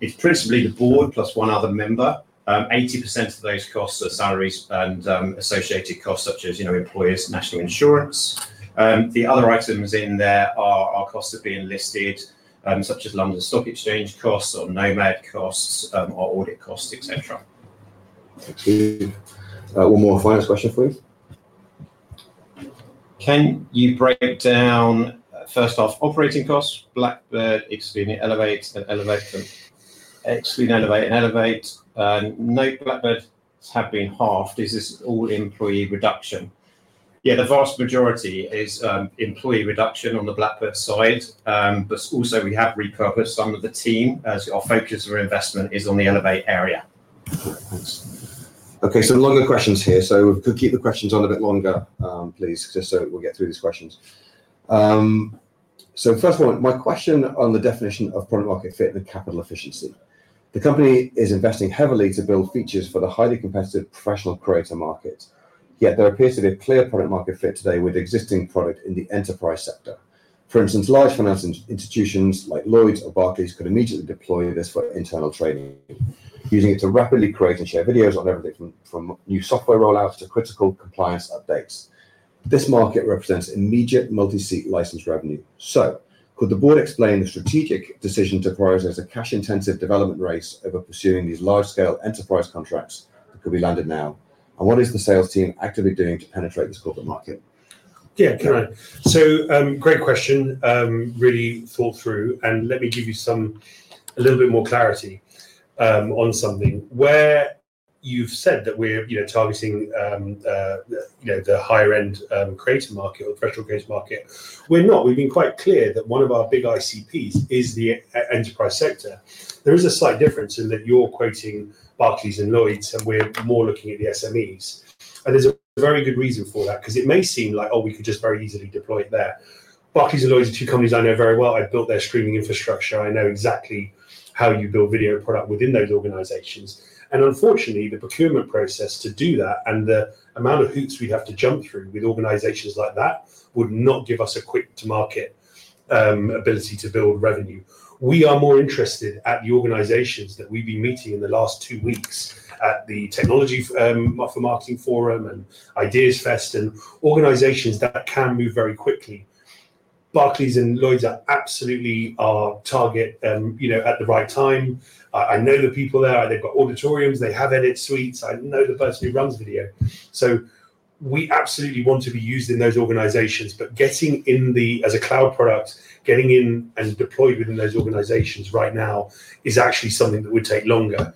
Speaker 4: It's principally the Board plus one other member. 80% of those costs are salaries and associated costs such as, you know, employers' national insurance. The other items in there are costs that are being listed, such as London Stock Exchange costs, Nomad costs, or audit costs, etc.
Speaker 2: Okay. One more finance question for you.
Speaker 4: Can you break down, first off, operating costs? Blackbird, excluding Elevate, and Elevate. No, Blackbird has been halved. Is this all employee reduction? Yeah, the vast majority is employee reduction on the Blackbird side, but also we have repurposed some of the team as our focus of investment is on the Elevate area.
Speaker 2: Perfect. Thanks. Okay, longer questions here. Keep the questions on a bit longer, please, just so we'll get through these questions. The first one, my question on the definition of product market fit and capital efficiency. The company is investing heavily to build features for the highly competitive professional creator market. Yet there appears to be a clear product market fit today with existing product in the enterprise sector. For instance, large finance institutions like Lloyd's or Barclays could immediately deploy this for internal training, using it to rapidly create and share videos on everything from new software rollouts to critical compliance updates. This market represents immediate multi-seat license revenue. Could the board explain the strategic decision to prioritize a cash-intensive development race over pursuing these large-scale enterprise contracts that could be landed now? What is the sales team actively doing to penetrate this corporate market?
Speaker 4: Yeah, can I? Great question. Really thought through. Let me give you a little bit more clarity on something. Where you've said that we're targeting the higher-end creator market or the professional creator market, we're not. We've been quite clear that one of our big ICPs is the enterprise sector. There is a slight difference in that you're quoting Barclays and Lloyd's, and we're more looking at the SMEs. There is a very good reason for that because it may seem like, oh, we could just very easily deploy it there. Barclays and Lloyd's are two companies I know very well. I built their streaming infrastructure. I know exactly how you build video product within those organizations. Unfortunately, the procurement process to do that and the amount of hoops we'd have to jump through with organizations like that would not give us a quick-to-market ability to build revenue. We are more interested at the organizations that we've been meeting in the last two weeks at the Technology for Marketing Forum and Ideas Fest and organizations that can move very quickly. Barclays and Lloyd's are absolutely our target, you know, at the right time. I know the people there. They've got auditoriums. They have edit suites. I know the person who runs video. We absolutely want to be used in those organizations. Getting in, as a cloud product, getting in and deployed within those organizations right now is actually something that would take longer.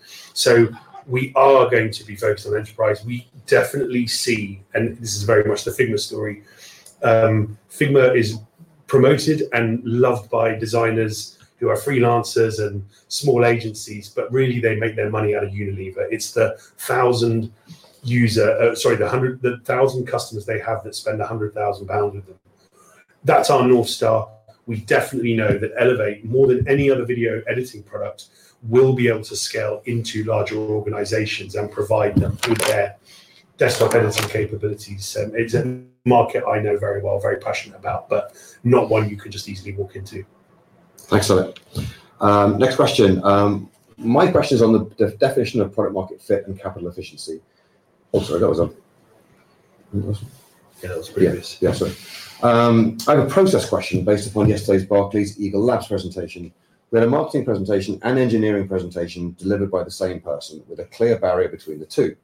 Speaker 4: We are going to be focused on enterprise. We definitely see, and this is very much the Figma story. Figma is promoted and loved by designers who are freelancers and small agencies, but really they make their money out of Unilever. It's the 1,000 customers they have that spend 100,000 pounds with it. That's our North Star. We definitely know that Elevate, more than any other video editing product, will be able to scale into larger organizations and provide them with their desktop editing capabilities. It's a market I know very well, very passionate about, but not one you can just easily walk into.
Speaker 2: Excellent. Next question. My question is on the definition of product market fit and capital efficiency. Sorry, that was previous. I have a process question based upon yesterday's Barclays Eagle Labs presentation. We had a marketing presentation and engineering presentation delivered by the same person with a clear barrier between the two,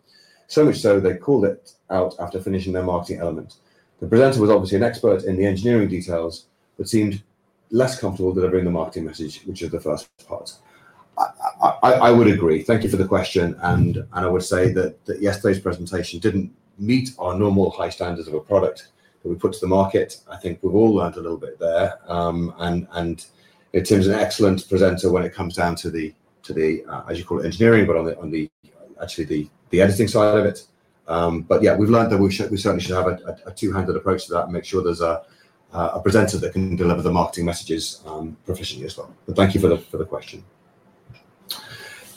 Speaker 2: so much so they called it out after finishing their marketing element. The presenter was obviously an expert in the engineering details but seemed less comfortable delivering the marketing message, which is the first part. I would agree. Thank you for the question. I would say that yesterday's presentation didn't meet our normal high standards of a product that we put to the market. I think we've all learned a little bit there. Tim's an excellent presenter when it comes down to the, as you call it, engineering, but on the actually the editing side of it. We've learned that we certainly should have a two-handed approach to that and make sure there's a presenter that can deliver the marketing messages proficiently as well. Thank you for the question.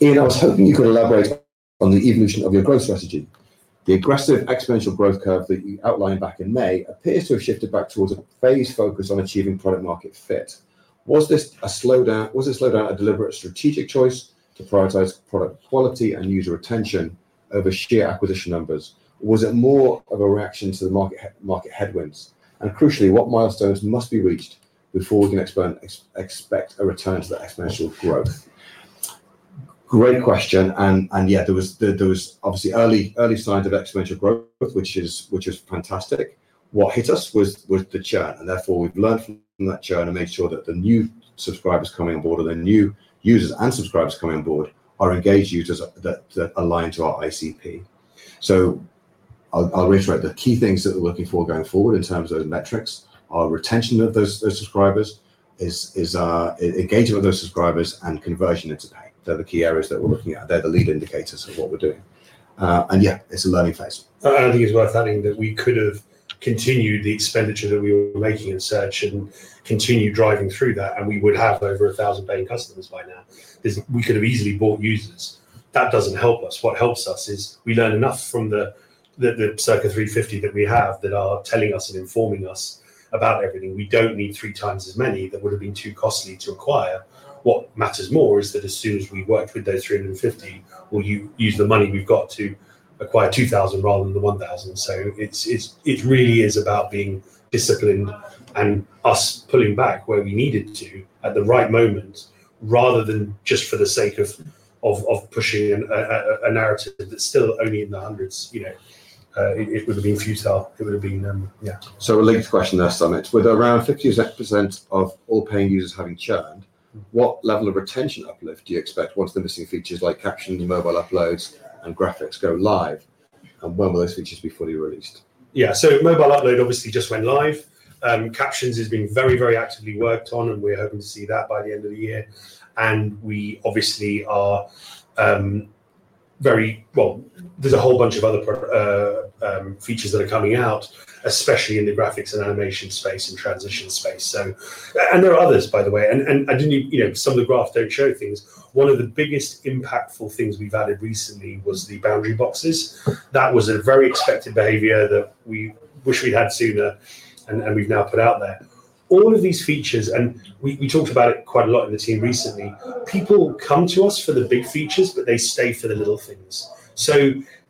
Speaker 2: Ian, I was hoping you could elaborate on the evolution of your growth strategy. The aggressive exponential growth curve that you outlined back in May appears to have shifted back towards a phased focus on achieving product market fit. Was this slowdown a deliberate strategic choice to prioritize product quality and user retention over sheer acquisition numbers? Was it more of a reaction to the market headwinds? Crucially, what milestones must be reached before we can expect a return to the exponential growth? Great question. There was obviously early signs of exponential growth, which is fantastic. What hit us was the churn. Therefore, we've learned from that churn and made sure that the new subscribers coming on board or the new users and subscribers coming on board are engaged users that align to our ICP. I'll reiterate the key things that we're looking for going forward in terms of metrics. Our retention of those subscribers is engaging with those subscribers and conversion into pay. They're the key areas that we're looking at. They're the lead indicators of what we're doing. It's a learning phase.
Speaker 3: I think it's worth adding that we could have continued the expenditure that we were making in search and continued driving through that. We would have over 1,000 paying customers by now. We could have easily bought users. That doesn't help us. What helps us is we learn enough from the circa 350 that we have that are telling us and informing us about everything. We don't need three times as many; that would have been too costly to acquire. What matters more is that as soon as we work with those 350, we'll use the money we've got to acquire 2,000 rather than the 1,000. It really is about being disciplined and us pulling back where we needed to at the right moment, rather than just for the sake of pushing in a narrative that's still only in the hundreds. It would have been futile. It would have been, yeah.
Speaker 2: A linked question there, Sumit. With around 57% of all paying users having churned, what level of retention uplift do you expect once the missing features like captioning, mobile uploads, and graphics go live? When will those features be fully released?
Speaker 3: Yeah, so mobile uploads obviously just went live. AI captions is being very, very actively worked on, and we're hoping to see that by the end of the year. There are a whole bunch of other features that are coming out, especially in the graphics and animation space and transition space. There are others, by the way. I didn't even, you know, some of the graphs don't show things. One of the biggest impactful things we've added recently was the boundary boxes. That was a very expected behavior that we wish we'd had sooner, and we've now put out there. All of these features, and we talked about it quite a lot in the team recently, people come to us for the big features, but they stay for the little things.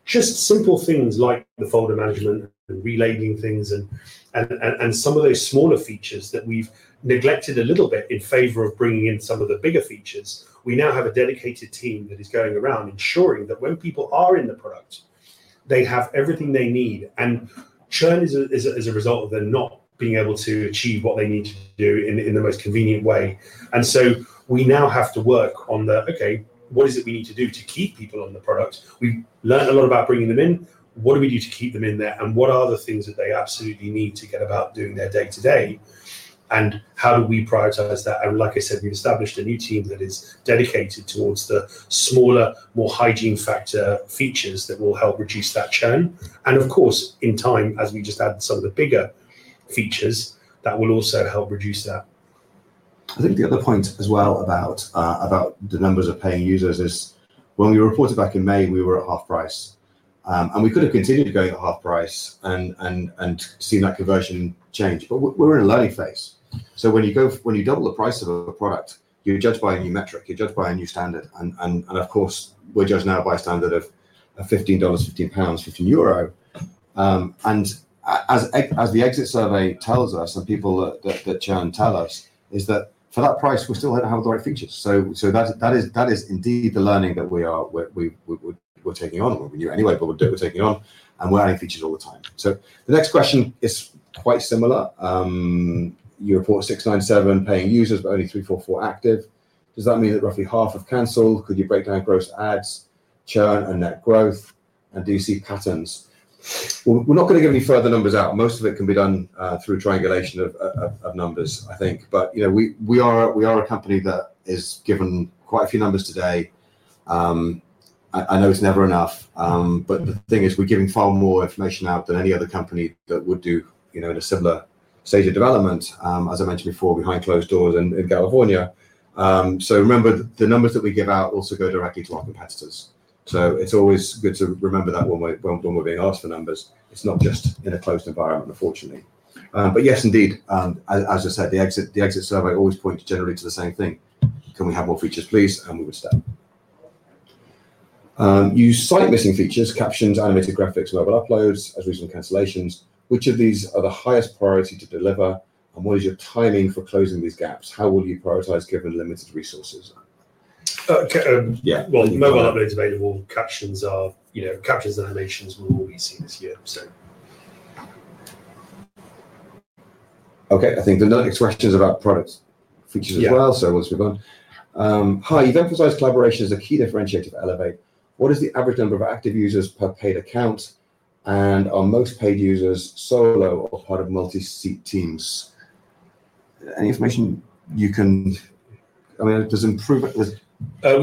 Speaker 3: Just simple things like the folder management and relabeling things, and some of those smaller features that we've neglected a little bit in favor of bringing in some of the bigger features, we now have a dedicated team that is going around ensuring that when people are in the product, they have everything they need. Churn is a result of them not being able to achieve what they need to do in the most convenient way. We now have to work on the, okay, what is it we need to do to keep people on the product? We learned a lot about bringing them in. What do we do to keep them in there? What are the things that they absolutely need to get about doing their day-to-day? How do we prioritize that? Like I said, we've established a new team that is dedicated towards the smaller, more hygiene factor features that will help reduce that churn. Of course, in time, as we just add some of the bigger features, that will also help reduce that.
Speaker 2: I think the other point as well about the numbers of paying users is when we reported back in May, we were at half price. We could have continued going at half price and seen that conversion change. We are in a learning phase. When you double the price of a product, you're judged by a new metric. You're judged by a new standard. Of course, we're judging out of our standard of $15, 15 pounds, 15 euro. As the exit survey tells us, and people that get churned tell us, for that price, we're still here to have all the right features. That is indeed the learning that we are taking on, or we knew anyway, but we're taking on. We're adding features all the time. The next question is quite similar. You're 4,697 paying users, but only 344 active. Does that mean that roughly half have canceled? Could you break down growth to ads, churn, and net growth? Do you see patterns? We're not going to give any further numbers out. Most of it can be done through triangulation of numbers, I think. We are a company that has given quite a few numbers today. I know it's never enough. The thing is, we're giving far more information out than any other company that would do in a similar stage of development. As I mentioned before, behind closed doors in California. Remember, the numbers that we give out also go directly to our competitors. It's always good to remember that when we're being asked for numbers. It's not just in a closed environment, unfortunately. Yes, indeed. As I said, the exit survey always points generally to the same thing. Can we have more features, please? We will stay. You use slight missing features, captions, animated graphics, mobile uploads, as reasonable cancellations. Which of these are the highest priority to deliver? What is your timing for closing these gaps? How will you prioritize given limited resources?
Speaker 5: Yeah, mobile uploads are available. Captions and animations will be seen as yet.
Speaker 2: Okay, I think the next question is about product features as well. You've emphasized collaboration as a key differentiator for Elevate. What is the average number of active users per paid account? Are most paid users solo or part of multi-seat teams? Any information you can, I mean, does improve it?
Speaker 3: Yeah,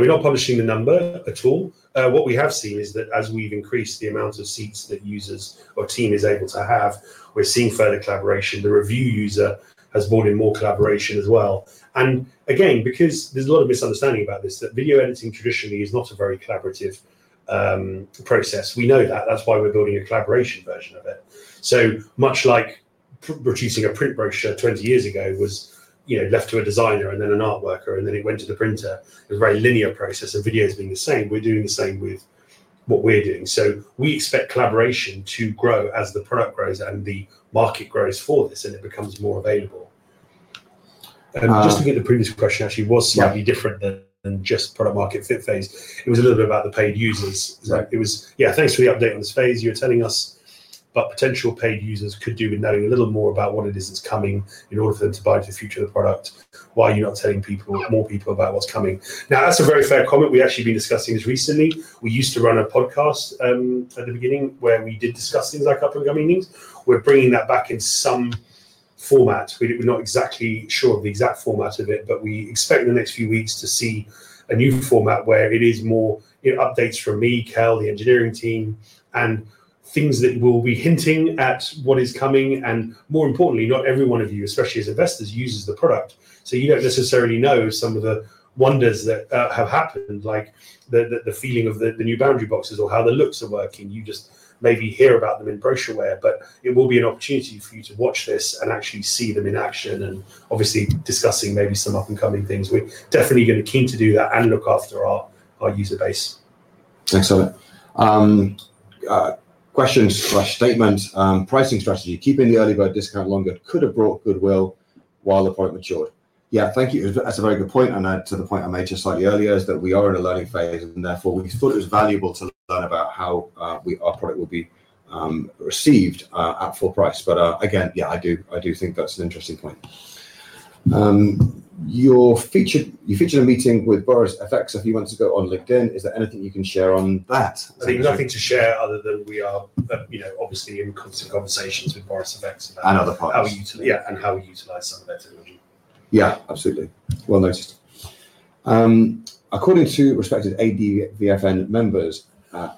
Speaker 3: we're not publishing the number at all. What we have seen is that as we've increased the amount of seats that users or a team is able to have, we're seeing further collaboration. The review user has brought in more collaboration as well. Again, because there's a lot of misunderstanding about this, that video editing traditionally is not a very collaborative process. We know that. That's why we're building a collaboration version of it. Much like producing a print brochure 20 years ago was, you know, left to a designer and then an art worker, and then it went to the printer. It was a very linear process. The video is being the same. We're doing the same with what we're doing. We expect collaboration to grow as the product grows and the market grows for this, and it becomes more available. Just to give the previous question, actually, it was slightly different than just product market fit phase. It was a little bit about the paid users. It was, yeah, thanks for the update on this phase. You're telling us what potential paid users could do with knowing a little more about what it is that's coming in order for them to buy the future of the product. Why are you not telling people, more people about what's coming? That's a very fair comment. We've actually been discussing this recently. We used to run a podcast at the beginning where we did discuss things like up-and-coming things. We're bringing that back in some format. We're not exactly sure of the exact format of it, but we expect in the next few weeks to see a new format where it is more, it updates from me, Kell, the engineering team, and things that will be hinting at what is coming. More importantly, not every one of you, especially as investors, uses the product. You don't necessarily know some of the wonders that have happened, like the feeling of the new boundary boxes or how the looks are working. You just maybe hear about them in brochureware, but it will be an opportunity for you to watch this and actually see them in action and obviously discussing maybe some up-and-coming things. We're definitely going to keen to do that and look after our user base.
Speaker 2: Thanks, Sumit. Question/statement. Pricing strategy, keeping the early bird discount longer, could have brought goodwill while the product matured. Yeah, thank you. That's a very good point. To the point I made just slightly earlier, we are in a learning phase, and therefore we thought it was valuable to learn about how our product will be received at full price. Again, yeah, I do think that's an interesting point. You featured a meeting with Boris FX. If you want to go on LinkedIn, is there anything you can share on that?
Speaker 3: I think nothing to share other than we are obviously in constant conversations with Boris FX.
Speaker 2: Other folks.
Speaker 3: Yeah, how we utilize some of it.
Speaker 2: Yeah, absolutely. Noticed. According to respected ADVFN members,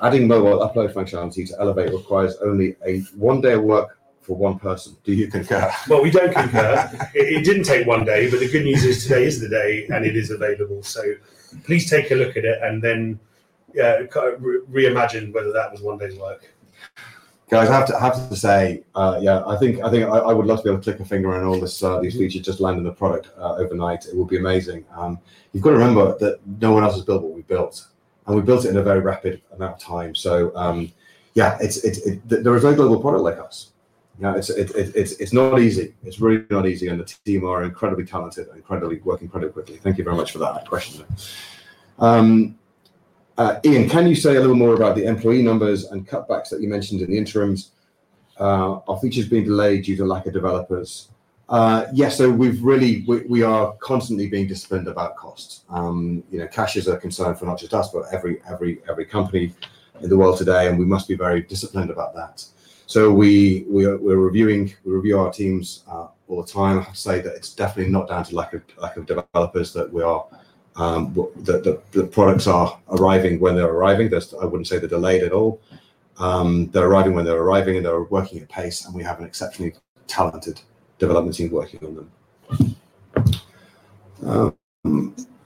Speaker 2: adding mobile upload functionality to Elevate requires only a one-day work for one person. Do you concur?
Speaker 3: We don't concur. It didn't take one day, but the good news is today is the day, and it is available. Please take a look at it and then, yeah, reimagine whether that was one day's work.
Speaker 2: Guys, I have to say, I think I would love to be able to click my finger on all these features just landing the product overnight. It would be amazing. You've got to remember that no one else has built what we've built, and we built it in a very rapid amount of time. There are no global product layouts. It's not easy. It's really not easy, and the team are incredibly talented and working incredibly quickly. Thank you very much for that question. Ian, can you say a little more about the employee numbers and cutbacks that you mentioned in the interims? Are features being delayed due to lack of developers? We've really, we are constantly being disciplined about cost. Cash is a concern for not just us, but every company in the world today, and we must be very disciplined about that. We review our teams all the time. I have to say that it's definitely not down to lack of developers that the products are arriving when they're arriving. I wouldn't say they're delayed at all. They're arriving when they're arriving, and they're working at pace. We have an exceptionally talented development team working on them.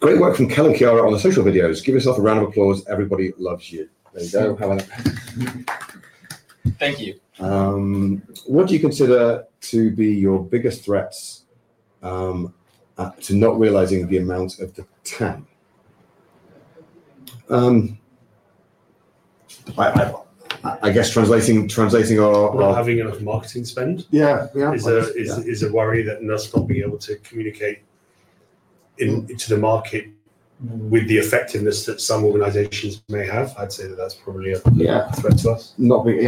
Speaker 2: Great work from Kell and Chiara on the social videos. Give yourself a round of applause. Everybody loves you.
Speaker 3: Thank you.
Speaker 2: What do you consider to be your biggest threats to not realizing the amount of the TAM?
Speaker 3: as we move into the scale-up phase.
Speaker 4: Having enough marketing spend?
Speaker 2: Yeah,
Speaker 3: it's a worry that we're not going to be able to communicate into the market with the effectiveness that some organizations may have. I'd say that that's probably a threat to us.
Speaker 2: Exactly. Not being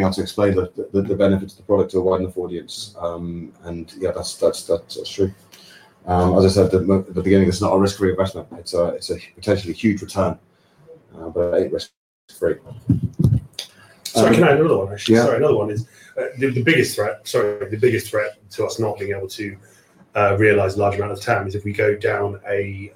Speaker 2: able to explain the benefits of the product to a wide enough audience. That's true. As I said at the beginning, it's not a risk-free investment. It's a potentially huge return, but not risk-free.
Speaker 3: I can add another one, actually. The biggest threat to us not being able to realize a large amount of TAM is if we go down a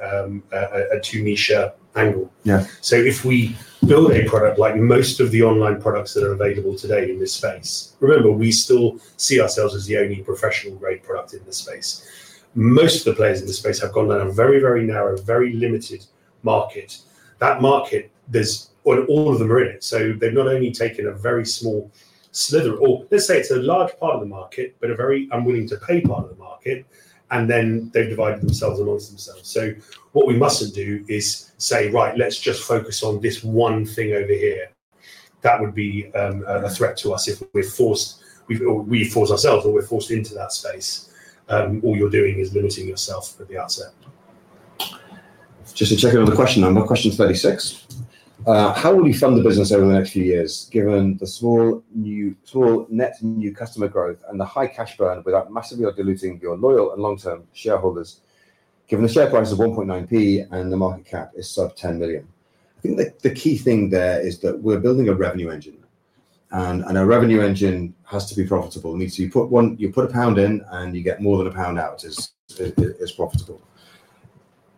Speaker 3: too niche angle. If we build a product like most of the online products that are available today in this space, remember, we still see ourselves as the only professional-grade product in this space. Most of the players in this space have gone down a very, very narrow, very limited market. That market, all of them are in it. They have not only taken a very small slither, or let's say it's a large part of the market, but a very unwilling to pay part of the market, and then they have divided themselves amongst themselves. What we mustn't do is say, right, let's just focus on this one thing over here. That would be a threat to us if we force ourselves, or we're forced into that space. All you're doing is limiting yourself at the outset.
Speaker 2: Just to check, another question on that, question 36. How do we fund the business over the next few years, given the small net new customer growth and the high cash burn without massively diluting your loyal and long-term shareholders, given the share price of 0.019 and the market cap is sub 10 million? I think the key thing there is that we're building a revenue engine, and a revenue engine has to be profitable. You put a pound in and you get more than a pound out as profitable.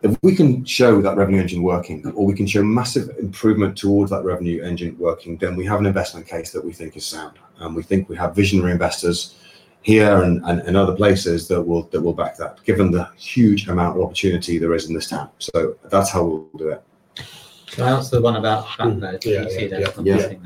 Speaker 2: If we can show that revenue engine working, or we can show massive improvement towards that revenue engine working, we have an investment case that we think is sound. We think we have visionary investors here and other places that will back that, given the huge amount of opportunity there is in this TAM. That's how we'll do it.
Speaker 4: Can I answer the one about Blackbird?
Speaker 2: Yeah, I can see that.
Speaker 4: Yeah, fantastic.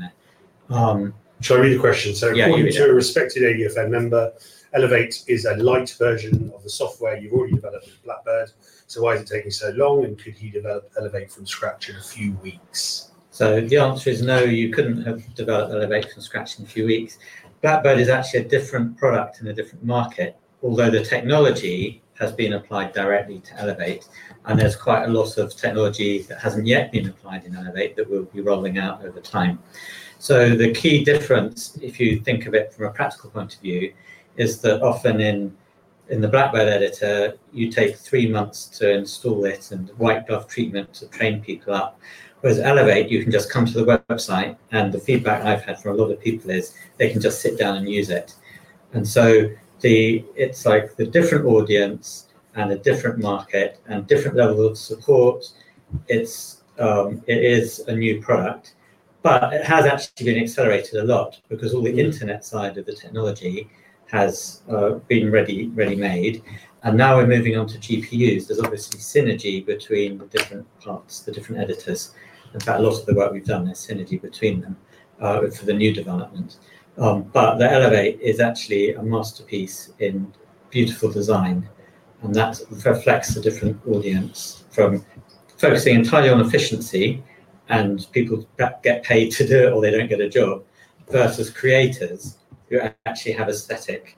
Speaker 3: Shall I read the question? Again, to a respected ADVFN member, Elevate is a light version of the software you've already developed for Blackbird. Why is it taking so long, and could he develop Elevate from scratch in a few weeks?
Speaker 4: The answer is no, you couldn't have developed Elevate from scratch in a few weeks. Blackbird is actually a different product in a different market, although the technology has been applied directly to Elevate, and there's quite a lot of technology that hasn't yet been applied in Elevate that we'll be rolling out over time. The key difference, if you think of it from a practical point of view, is that often in the Blackbird editor, you take three months to install it and white glove treatment to train people up. Whereas Elevate, you can just come to the website, and the feedback I've had from a lot of people is they can just sit down and use it. It's like the different audience and the different market and different level of support. It is a new product, but it has actually been accelerated a lot because all the internet side of the technology has been ready-made. Now we're moving on to GPUs. There's obviously synergy between the different parts, the different editors. In fact, a lot of the work we've done is synergy between them for the new development. Elevate is actually a masterpiece in beautiful design, and that reflects a different audience from focusing entirely on efficiency and people that get paid to do it or they don't get a job versus creators who actually have aesthetic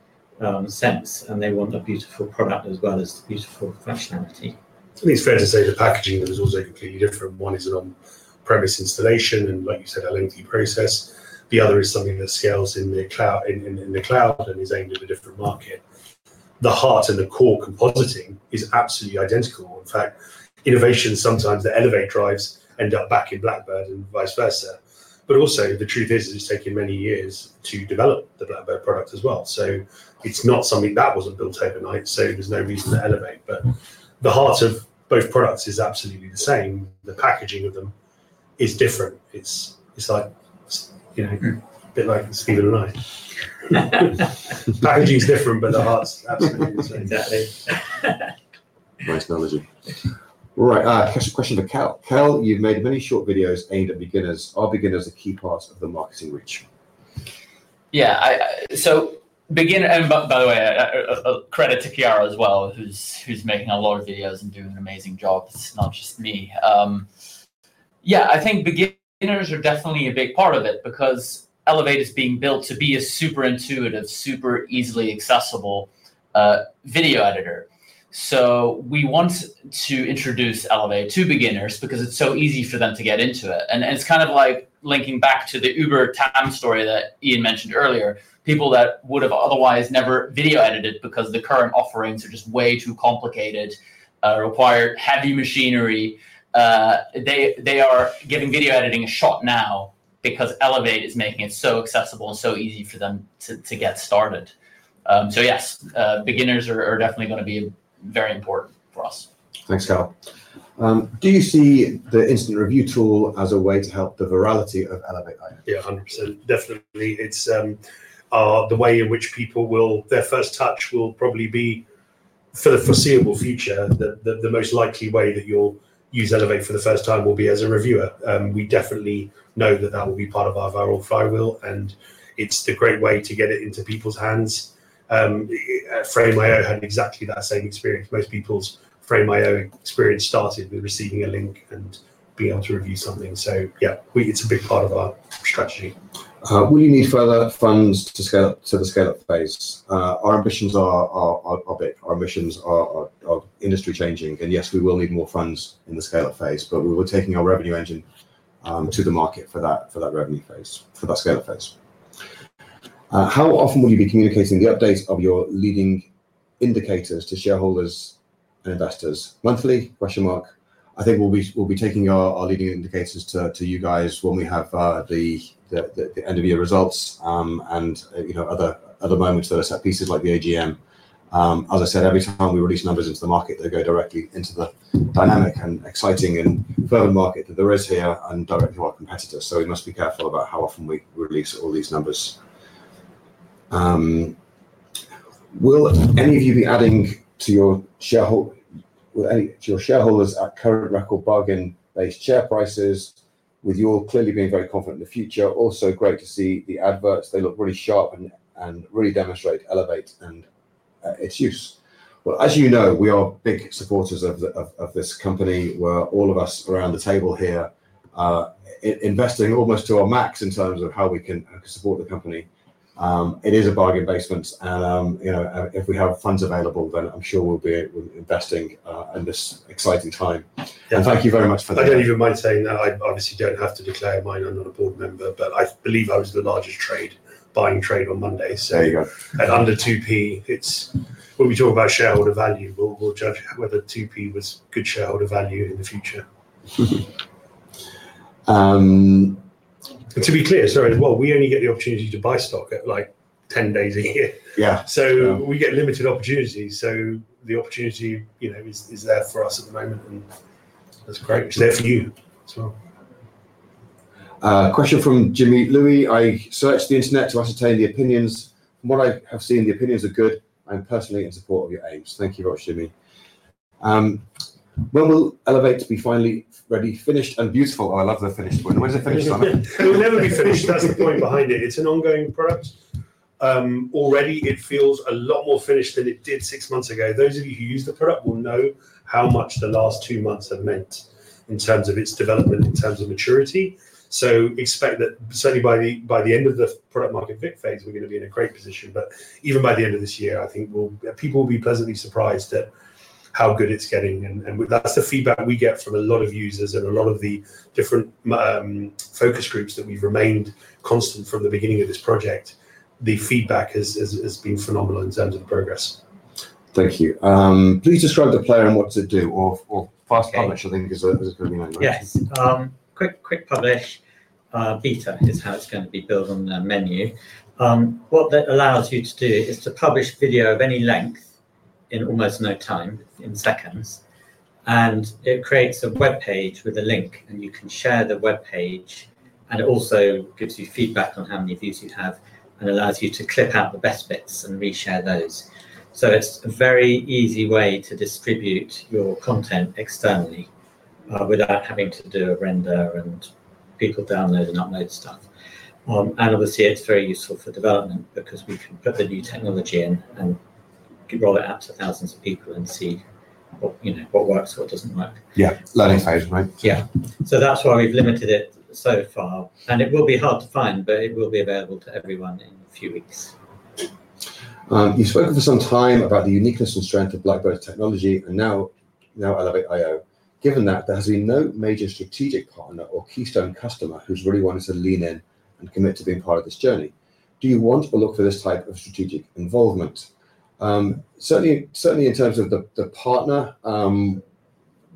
Speaker 4: sense and they want a beautiful product as well as beautiful professionality.
Speaker 3: I think it's fair to say the packaging was also completely different. One is an on-premise installation and, like you said, L&D process. The other is something that sells in the cloud and is aimed at a different market. The heart and the core compositing is absolutely identical. In fact, innovation sometimes that Elevate drives end up back in Blackbird and vice versa. The truth is it's taken many years to develop the Blackbird product as well. It's not something that was built overnight, so there's no reason to Elevate. The heart of both products is absolutely the same. The packaging of them is different. It's like, you know, a bit like Stephen and I. Packaging is different, but the heart's absolutely the same.
Speaker 4: Exactly.
Speaker 2: Nice knowledge. Right, question for Kell. Kell, you've made many short videos aimed at beginners. Are beginners a key part of the marketing reach?
Speaker 6: Yeah, so beginners, and by the way, credit to Chiara as well, who's making a lot of videos and doing amazing jobs, not just me. I think beginners are definitely a big part of it because Elevate is being built to be a super intuitive, super easily accessible video editor. We want to introduce Elevate to beginners because it's so easy for them to get into it. It's kind of like linking back to the Uber TAM story that Ian mentioned earlier. People that would have otherwise never video edited because the current offerings are just way too complicated, require heavy machinery. They are giving video editing a shot now because Elevate is making it so accessible and so easy for them to get started. Yes, beginners are definitely going to be very important for us.
Speaker 2: Thanks, Kell. Do you see the instant review tool as a way to help the virality of Elevate?
Speaker 6: Yeah, 100%. Definitely. It's the way in which people will, their first touch will probably be for the foreseeable future. The most likely way that you'll use Elevate for the first time will be as a reviewer. We definitely know that that will be part of our viral flywheel, and it's the great way to get it into people's hands. FrameIO had exactly that same experience. Most people's FrameIO experience started with receiving a link and being able to review something. Yeah, it's a big part of our strategy.
Speaker 2: Will you need further funds to scale up to the scale-up phase? Our ambitions are big. Our ambitions are industry-changing. Yes, we will need more funds in the scale-up phase, but we're taking our revenue engine to the market for that revenue phase, for that scale-up phase. How often will you be communicating the updates of your leading indicators to shareholders and investors? Monthly? I think we'll be taking our leading indicators to you guys when we have the end-of-year results and, you know, other moments that are set pieces like the AGM. As I said, every time we release numbers into the market, they go directly into the dynamic and exciting and fervent market that there is here and direct to our competitors. We must be careful about how often we release all these numbers. Will any of you be adding to your shareholders' current record bargain-based share prices? With you all clearly being very confident in the future, also great to see the adverts. They look really sharp and really demonstrate Elevate and its use. As you know, we are big supporters of this company. We're all of us around the table here investing almost to our max in terms of how we can support the company. It is a bargain basement, and you know, if we have funds available, then I'm sure we'll be investing in this exciting time. Thank you very much for that.
Speaker 5: I don't even mind saying that. I obviously don't have to declare mine on another board member, but I believe I was the largest trade, buying trade on Monday.
Speaker 2: There you go.
Speaker 5: Under 2P, it's, when we talk about shareholder value, we'll judge whether 2P was good shareholder value in the future. To be clear, we only get the opportunity to buy stock at like 10 days a year.
Speaker 2: Yeah.
Speaker 5: We get limited opportunities. The opportunity is there for us at the moment, and that's great.
Speaker 2: Clear for you.
Speaker 5: That's right.
Speaker 2: Question from Jimmy Louis. I searched the internet to ascertain the opinions. What I have seen, the opinions are good. I'm personally in support of your aims. Thank you a lot, Jimmy. When will Elevate be finally ready, finished, and beautiful? Oh, I love the finished one. When is it finished, Sumit?
Speaker 3: It will never be finished. That's the point behind it. It's an ongoing product. Already, it feels a lot more finished than it did six months ago. Those of you who use the product will know how much the last two months have meant in terms of its development, in terms of maturity. We expect that certainly by the end of the product market fit phase, we're going to be in a great position. Even by the end of this year, I think people will be pleasantly surprised at how good it's getting. That's the feedback we get from a lot of users and a lot of the different focus groups that have remained constant from the beginning of this project. The feedback has been phenomenal in terms of the progress.
Speaker 2: Thank you. Please describe the plan on what to do or fast publish, I think, is a good thing to know.
Speaker 4: Yes, quick publish. Beta is how it's going to be built on their menu. What that allows you to do is to publish video of any length in almost no time, in seconds. It creates a web page with a link, and you can share the web page. It also gives you feedback on how many views you have and allows you to clip out the best bits and reshare those. It's a very easy way to distribute your content externally, without having to do a render and people download and upload stuff. It's obviously very useful for development because we can put the new technology in and roll it out to thousands of people and see what works or what doesn't work.
Speaker 2: Yeah, learning stage, mate.
Speaker 4: That's why we've limited it so far. It will be hard to find, but it will be available to everyone in a few weeks.
Speaker 2: You've spoken for some time about the uniqueness and strength of Blackbird's technology and now Elevate. Given that there has been no major strategic partner or keystone customer who's really wanted to lean in and commit to being part of this journey, do you want to look for this type of strategic involvement? Certainly, in terms of the partner,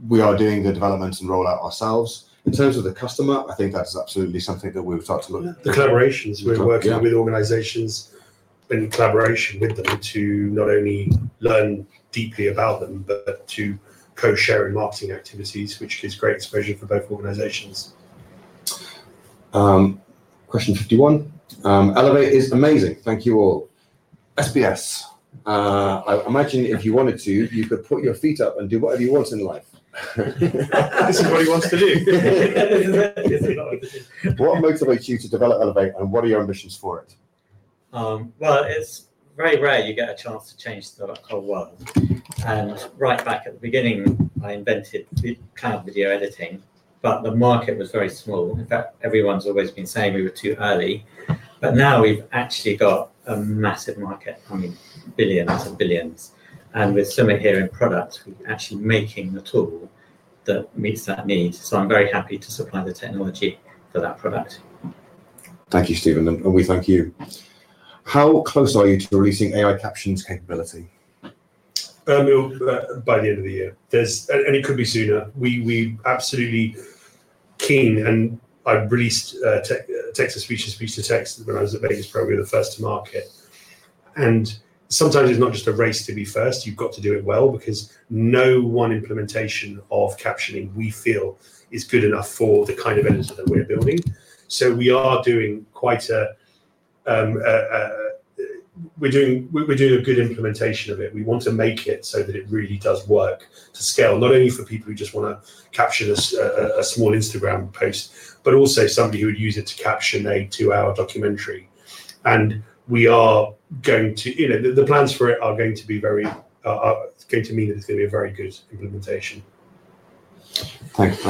Speaker 2: we are doing the development and rollout ourselves. In terms of the customer, I think that's actually something that we'll start to look at.
Speaker 4: The collaborations, we're working with organizations in collaboration with them to not only learn deeply about them, but to co-share in marketing activities, which gives great exposure for both organizations.
Speaker 2: Question 51. Elevate is amazing. Thank you all. SBS, I imagine if you wanted to, you could put your feet up and do whatever you want in life.
Speaker 4: That's what everybody wants to do.
Speaker 2: What motivates you to develop Elevate, and what are your ambitions for it?
Speaker 4: It's very rare you get a chance to change the whole world. Right back at the beginning, I invented cloud video editing, but the market was very small. In fact, everyone's always been saying we were too early. Now we've actually got a massive market, only billions of billions. With Sumit here in product, we're actually making a tool that meets that need. I'm very happy to supply the technology for that product.
Speaker 2: Thank you, Stephen. Thank you. How close are you to releasing AI captions capability?
Speaker 3: By the end of the year, it could be sooner. We're absolutely keen. I've released text-to-speech and speech-to-text when I was at the venues, probably the first to market. Sometimes it's not just a race to be first. You've got to do it well because no one implementation of captioning, we feel, is good enough for the kind of editor that we're building. We are doing quite a good implementation of it. We want to make it so that it really does work to scale, not only for people who just want to capture a small Instagram post, but also somebody who would use it to caption a two-hour documentary. The plans for it are going to be very, it's going to mean that it's going to be a very good implementation.
Speaker 2: Thanks,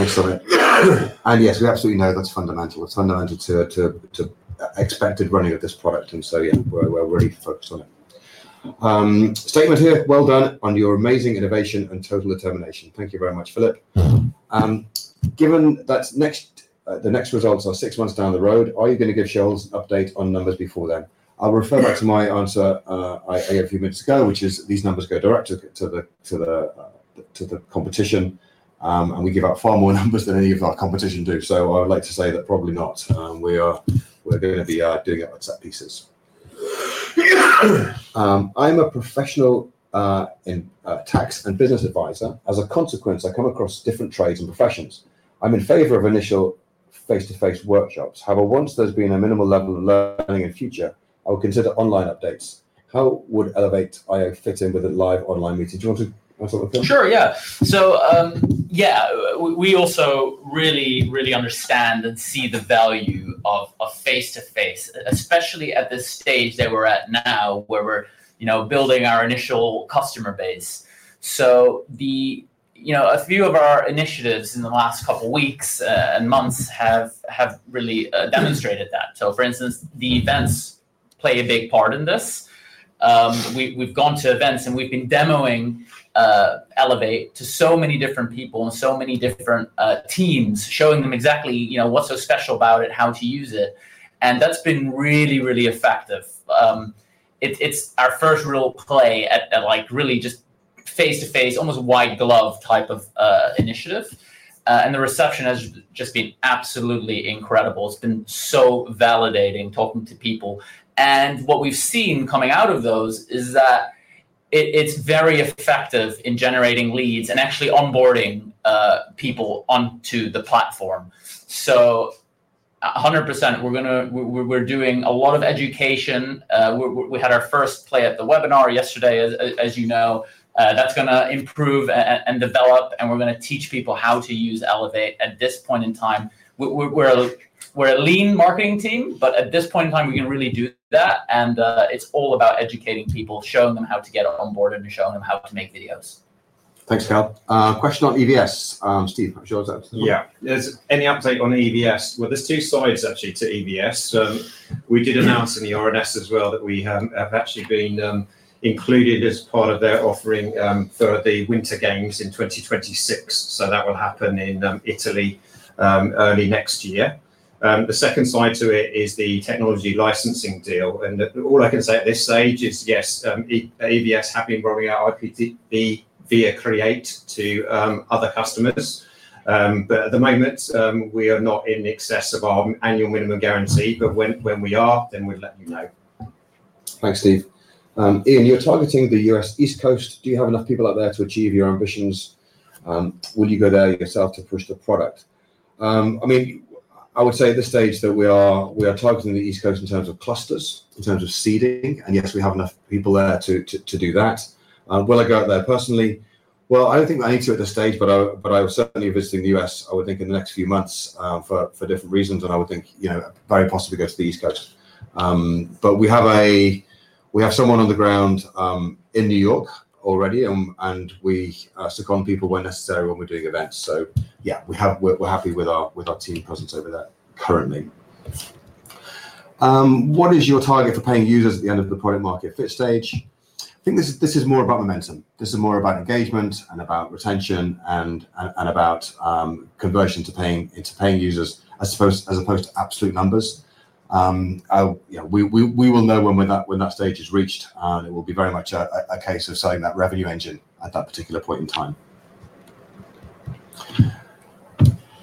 Speaker 2: thanks, Sumit. Yes, we absolutely know that's fundamental. It's fundamental to the expected running of this product. We're really focused on it. Stephen here, well done on your amazing innovation and total determination. Thank you very much, Philip. Given that the next results are six months down the road, are you going to give Kell an update on numbers before then? I'll refer back to my answer a few minutes ago, which is these numbers go directly to the competition. We give out far more numbers than any of our competition do. I would like to say that probably not. We are going to be doing it on set pieces. I'm a professional, in, tax and business advisor. As a consequence, I come across different trades and professions. I'm in favor of initial face-to-face workshops. However, once there's been a minimal level of learning in the future, I would consider online updates. How would Elevate fit in with a live online meeting? Do you want to talk about that?
Speaker 6: Sure, yeah. We also really, really understand and see the value of a face-to-face, especially at this stage that we're at now where we're building our initial customer base. A few of our initiatives in the last couple of weeks and months have really demonstrated that. For instance, the events play a big part in this. We've gone to events and we've been demoing Elevate to so many different people and so many different teams, showing them exactly what's so special about it, how to use it. That's been really, really effective. It's our first real play at like really just face-to-face, almost a white glove type of initiative. The reception has just been absolutely incredible. It's been so validating talking to people. What we've seen coming out of those is that it's very effective in generating leads and actually onboarding people onto the platform. 100%, we're doing a lot of education. We had our first play at the webinar yesterday, as you know. That's going to improve and develop, and we're going to teach people how to use Elevate at this point in time. We're a lean marketing team, but at this point in time, we can really do that. It's all about educating people, showing them how to get onboarded and showing them how to make videos.
Speaker 2: Thanks for your help. Question on EVS, Steve.
Speaker 4: Yeah, is there any update on EVS? There are two sides actually to EVS. We did announce in the RNS as well that we have actually been included as part of their offering for the Winter Games in 2026. That will happen in Italy early next year. The second side to it is the technology licensing deal. All I can say at this stage is yes, EVS have been rolling out IPTV via Create to other customers. At the moment, we are not in excess of our annual minimum guarantee. When we are, then we'll let you know.
Speaker 2: Thanks, Steve. Ian, you're targeting the U.S. East Coast. Do you have enough people out there to achieve your ambitions? Will you go there yourself to push the product? I would say at this stage that we are targeting the East Coast in terms of clusters, in terms of seeding. Yes, we have enough people there to do that. Will I go out there personally? I don't think that I need to at this stage, but I was certainly visiting the U.S., I would think, in the next few months for different reasons. I would think, you know, very possibly go to the East Coast. We have someone on the ground in New York already. We send people when necessary when we're doing events. Yeah, we're happy with our team presence over there currently. What is your target for paying users at the end of the product market fit stage? I think this is more about momentum. This is more about engagement and about retention and about conversion to paying users as opposed to absolute numbers. We will know when that stage is reached. It will be very much a case of selling that revenue engine at that particular point in time.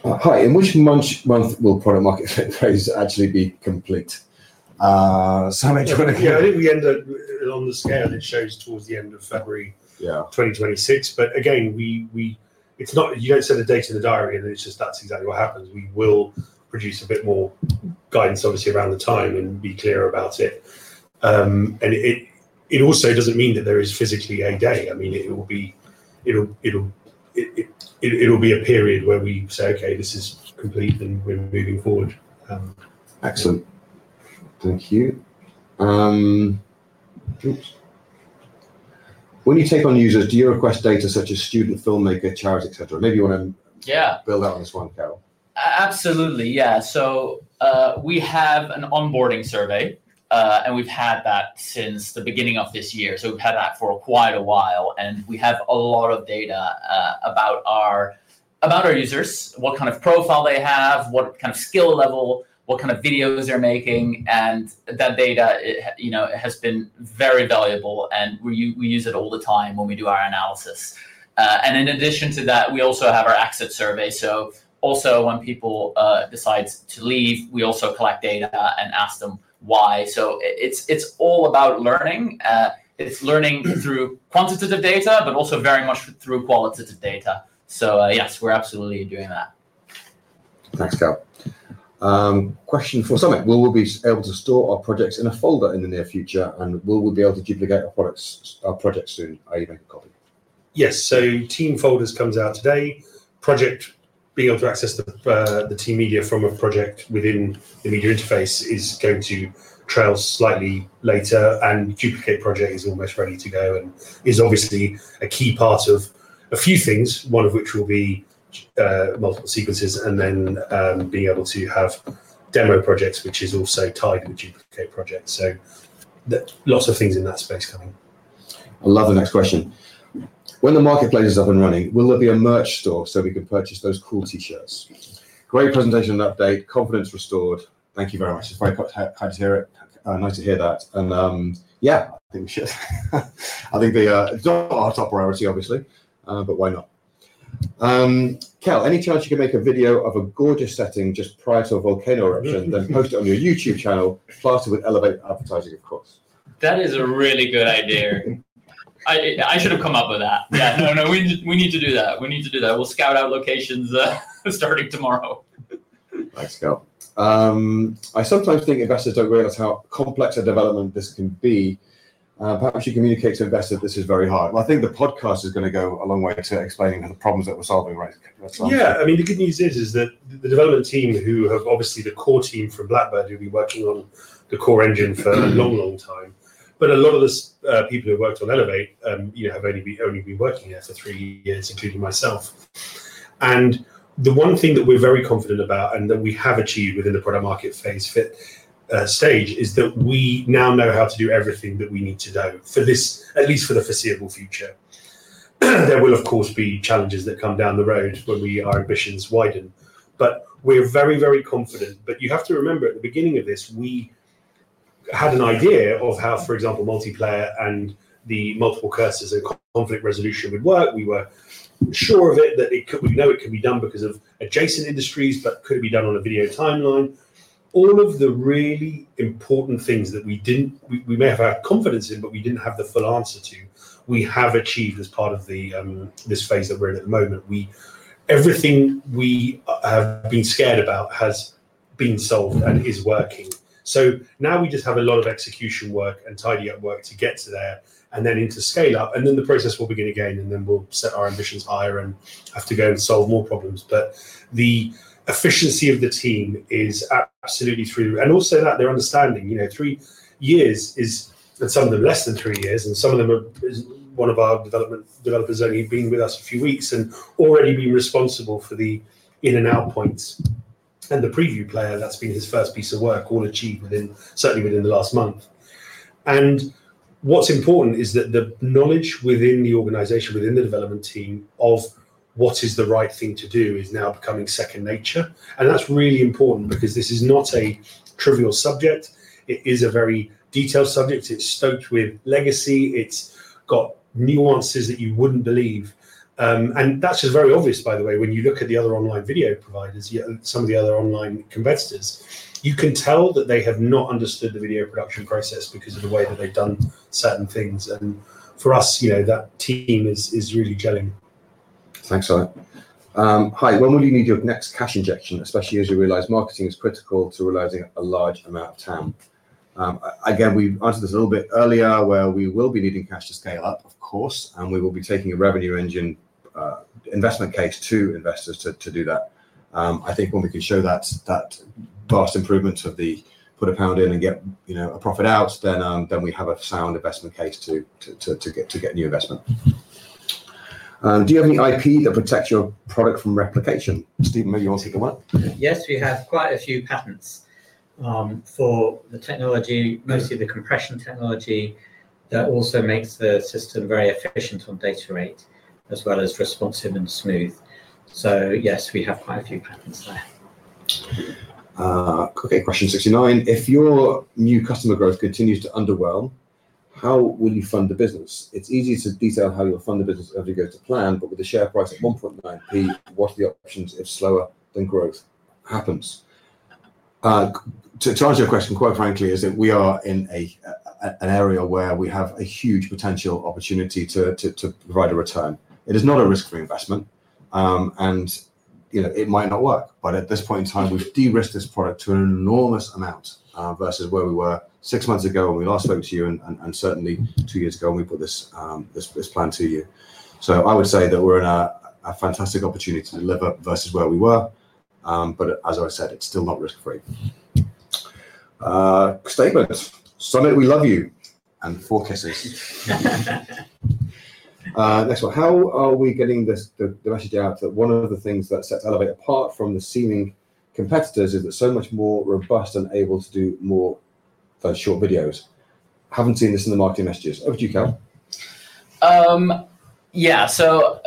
Speaker 2: Hi, in which month will product market fit phase actually be complete? Sam, do you want to hear?
Speaker 3: I think we end up on the scale and it shows towards the end of February 2026. You don't send the data in the diary and it's just that's exactly what happens. We will produce a bit more guidance, obviously, around the time and be clear about it. It also doesn't mean that there is physically a day. I mean, it will be a period where we say, okay, this is complete and we're moving forward.
Speaker 2: Excellent. Thank you. When you take on users, do you request data such as student, filmmaker, charge, etc.? Maybe you want to build on this one, Kell.
Speaker 6: Absolutely, yeah. We have an onboarding survey, and we've had that since the beginning of this year. We've had that for quite a while. We have a lot of data about our users, what kind of profile they have, what kind of skill level, what kind of videos they're making. That data has been very valuable, and we use it all the time when we do our analysis. In addition to that, we also have our active survey. When people decide to leave, we also collect data and ask them why. It's all about learning. It's learning through quantitative data, but also very much through qualitative data. Yes, we're absolutely doing that.
Speaker 2: Thanks, Kell. Question for Sumit. Will we be able to store our projects in a folder in the near future? Will we be able to duplicate our projects soon, Ian?
Speaker 3: Yes, so team folders come out today. Project, being able to access the team media from a project within the media interface, is going to trail slightly later. Duplicate project is almost ready to go. It's obviously a key part of a few things, one of which will be multiple sequences. Being able to have demo projects, which is also tied with duplicate projects, is coming as well. Lots of things in that space coming.
Speaker 2: I love the next question. When the marketplace is up and running, will there be a merch store so we could purchase those cool t-shirts? Great presentation and update. Confidence restored. Thank you very much. It's very hot. Happy to hear it. Nice to hear that. I think we should. I think it's not our top priority, obviously. Why not? Kell, any chance you can make a video of a gorgeous setting just prior to a volcano eruption, then post it on your YouTube channel? Faster with Elevate advertising, of course.
Speaker 6: That is a really good idea. I should have come up with that. Yeah, we need to do that. We need to do that. We'll scout out locations starting tomorrow.
Speaker 2: Thanks, Kell. I sometimes think investors don't realize how complex a development this can be. Perhaps you communicate to investors that this is very hard. I think the podcast is going to go a long way to explaining the problems that we're solving, right?
Speaker 3: Yeah, I mean, the good news is that the development team, who are obviously the core team from Blackbird, have been working on the core engine for a long, long time. A lot of the people who worked on Elevate have only been working here for three years, including myself. The one thing that we're very confident about, and that we have achieved within the product market fit stage, is that we now know how to do everything that we need to know for this, at least for the foreseeable future. There will, of course, be challenges that come down the road when our ambitions widen. We're very, very confident. You have to remember at the beginning of this, we had an idea of how, for example, multiplayer and the multiple cursors and conflict resolution would work. We were sure of it, that we knew it could be done because of adjacent industries, but could it be done on a video timeline? All of the really important things that we didn't, we may have had confidence in, but we didn't have the full answer to, we have achieved as part of this phase that we're in at the moment. Everything we have been scared about has been solved and is working. Now we just have a lot of execution work and tidy-up work to get to there, and then into scale-up. The process will begin again, and we'll set our ambitions higher and have to go and solve more problems. The efficiency of the team is absolutely through. Also, their understanding, you know, three years is, and some of them less than three years, and some of them, one of our developers only being with us a few weeks and already being responsible for the in and out points and the preview player, that's been his first piece of work, all achieved certainly within the last month. What's important is that the knowledge within the organization, within the development team of what is the right thing to do, is now becoming second nature. That's really important because this is not a trivial subject. It is a very detailed subject. It's stoked with legacy. It's got nuances that you wouldn't believe. That's just very obvious, by the way, when you look at the other online video providers. Some of the other online competitors, you can tell that they have not understood the video production process because of the way that they've done certain things. For us, you know, that team is really gelling.
Speaker 2: Thanks, Sumit. Hi, when will you need your next cash injection, especially as you realize marketing is critical to realizing a large amount of TAM? We answered this a little bit earlier where we will be needing cash to scale up, of course. We will be taking a revenue engine investment case to investors to do that. I think when we can show that past improvements of the put a pound in and get, you know, a profit out, then we have a sound investment case to get new investment. Do you have any IP that protects your product from replication? Steve, maybe you want to take a what?
Speaker 4: Yes, we have quite a few patents for the technology, mostly the compression technology that also makes the system very efficient on data rate, as well as responsive and smooth. Yes, we have quite a few patents there.
Speaker 2: Okay, question 69. If your new customer growth continues to underwhelm, how will you fund the business? It's easy to detail how you'll fund the business as we go to plan, but with the share price at 0.019, what are the options if slower than growth happens? To answer your question, quite frankly, is that we are in an area where we have a huge potential opportunity to provide a return. It is not a risk-free investment. You know, it might not work. At this point in time, we've de-risked this product to an enormous amount versus where we were six months ago when we last spoke to you and certainly two years ago when we put this plan to you. I would say that we're in a fantastic opportunity to deliver versus where we were. As I said, it's still not risk-free. Stay focused. Sumit, we love you. And four kisses. Next one. How are we getting this message out that one of the things that sets Elevate apart from the seeming competitors is that they're so much more robust and able to do more than short videos? Haven't seen this in the marketing messages. Over to you, Kell.
Speaker 6: Yeah, so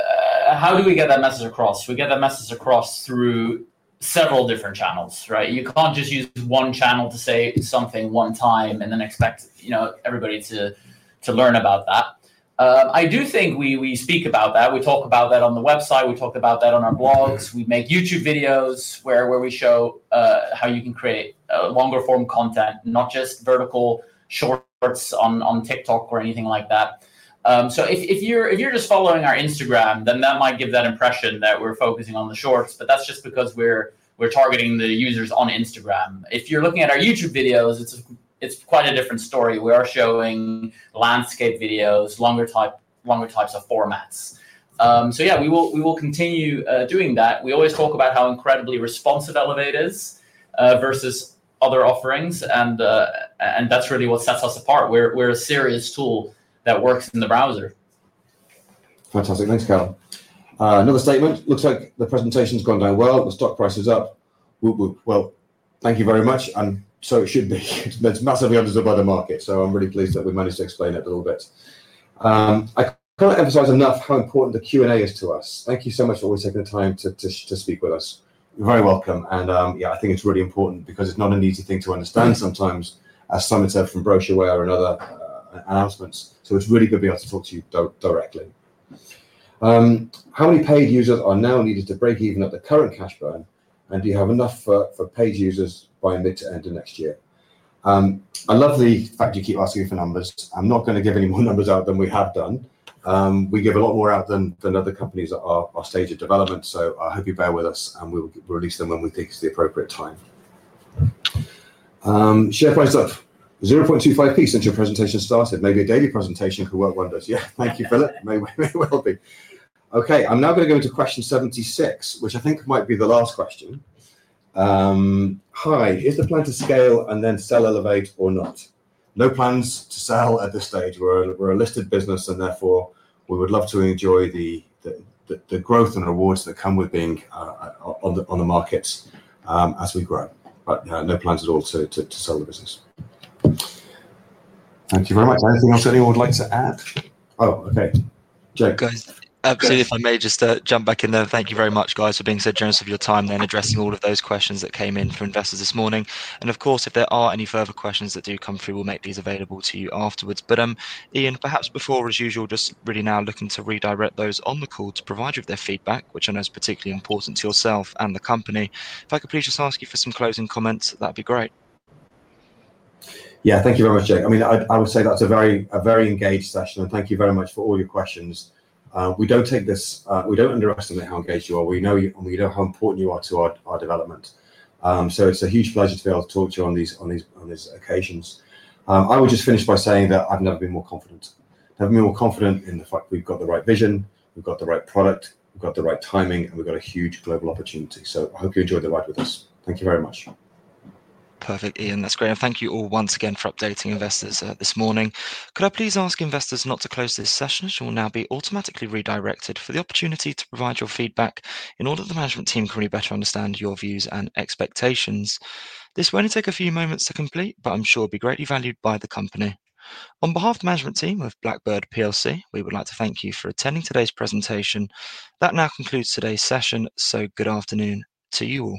Speaker 6: how do we get that message across? We get that message across through several different channels, right? You can't just use one channel to say something one time and then expect, you know, everybody to learn about that. I do think we speak about that. We talk about that on the website. We talk about that on our blogs. We make YouTube videos where we show how you can create longer form content, not just vertical shorts on TikTok or anything like that. If you're just following our Instagram, then that might give that impression that we're focusing on the shorts, but that's just because we're targeting the users on Instagram. If you're looking at our YouTube videos, it's quite a different story. We are showing landscape videos, longer types of formats. Yeah, we will continue doing that. We always talk about how incredibly responsive Elevate is versus other offerings, and that's really what sets us apart. We're a serious tool that works in the browser.
Speaker 2: Fantastic. Thanks, Kell. Another statement. Looks like the presentation's gone very well. The stock price is up. Thank you very much. It should be. It's massively understood by the market. I'm really pleased that we managed to explain it all a little bit. I can't emphasize enough how important the Q&A is to us. Thank you so much for always taking the time to speak with us. You're very welcome. I think it's really important because it's not an easy thing to understand sometimes, as Sam had said from brochureware and other announcements. It's really good to be able to talk to you directly. How many paid users are now needed to break even at the current cash burn? Do you have enough for paid users by mid to end of next year? I love the fact you keep asking me for numbers. I'm not going to give any more numbers out than we have done. We give a lot more out than other companies at our stage of development. I hope you bear with us, and we'll release them when we think it's the appropriate time. Share price of 0.0025 since your presentation started. Maybe a daily presentation for World Wonders. Thank you, Philip. May well be. I'm now going to go into question 76, which I think might be the last question. Hi, is the plan to scale and then sell Elevate or not? No plans to sell at this stage. We're a listed business, and therefore we would love to enjoy the growth and rewards that come with being on the markets as we grow. No plans at all to sell the business. Thank you very much. Anything else anyone would like to add? Oh, okay. Jay, go ahead.
Speaker 1: Absolutely, if I may just jump back in there. Thank you very much, guys, for being so generous with your time and addressing all of those questions that came in from investors this morning. If there are any further questions that do come through, we'll make these available to you afterwards. Ian, perhaps before we finish, just really now looking to redirect those on the call to provide you with their feedback, which I know is particularly important to yourself and the company. If I could please just ask you for some closing comments, that'd be great.
Speaker 2: Thank you very much, Jay. I would say that's a very engaged session, and thank you very much for all your questions. We don't underestimate how engaged you are. We know you, and we know how important you are to our development. It's a huge pleasure to be able to talk to you on these occasions. I will just finish by saying that I've never been more confident. I've never been more confident in the fact we've got the right vision, we've got the right product, we've got the right timing, and we've got a huge global opportunity. I hope you enjoy the ride with us. Thank you very much.
Speaker 1: Perfect, Ian. That's great. Thank you all once again for updating investors this morning. Could I please ask investors not to close this session? It will now be automatically redirected for the opportunity to provide your feedback in order for the management team to really better understand your views and expectations. This won't take a few moments to complete, but I'm sure it'll be greatly valued by the company. On behalf of the management team of Blackbird PLC, we would like to thank you for attending today's presentation. That now concludes today's session. Good afternoon to you all.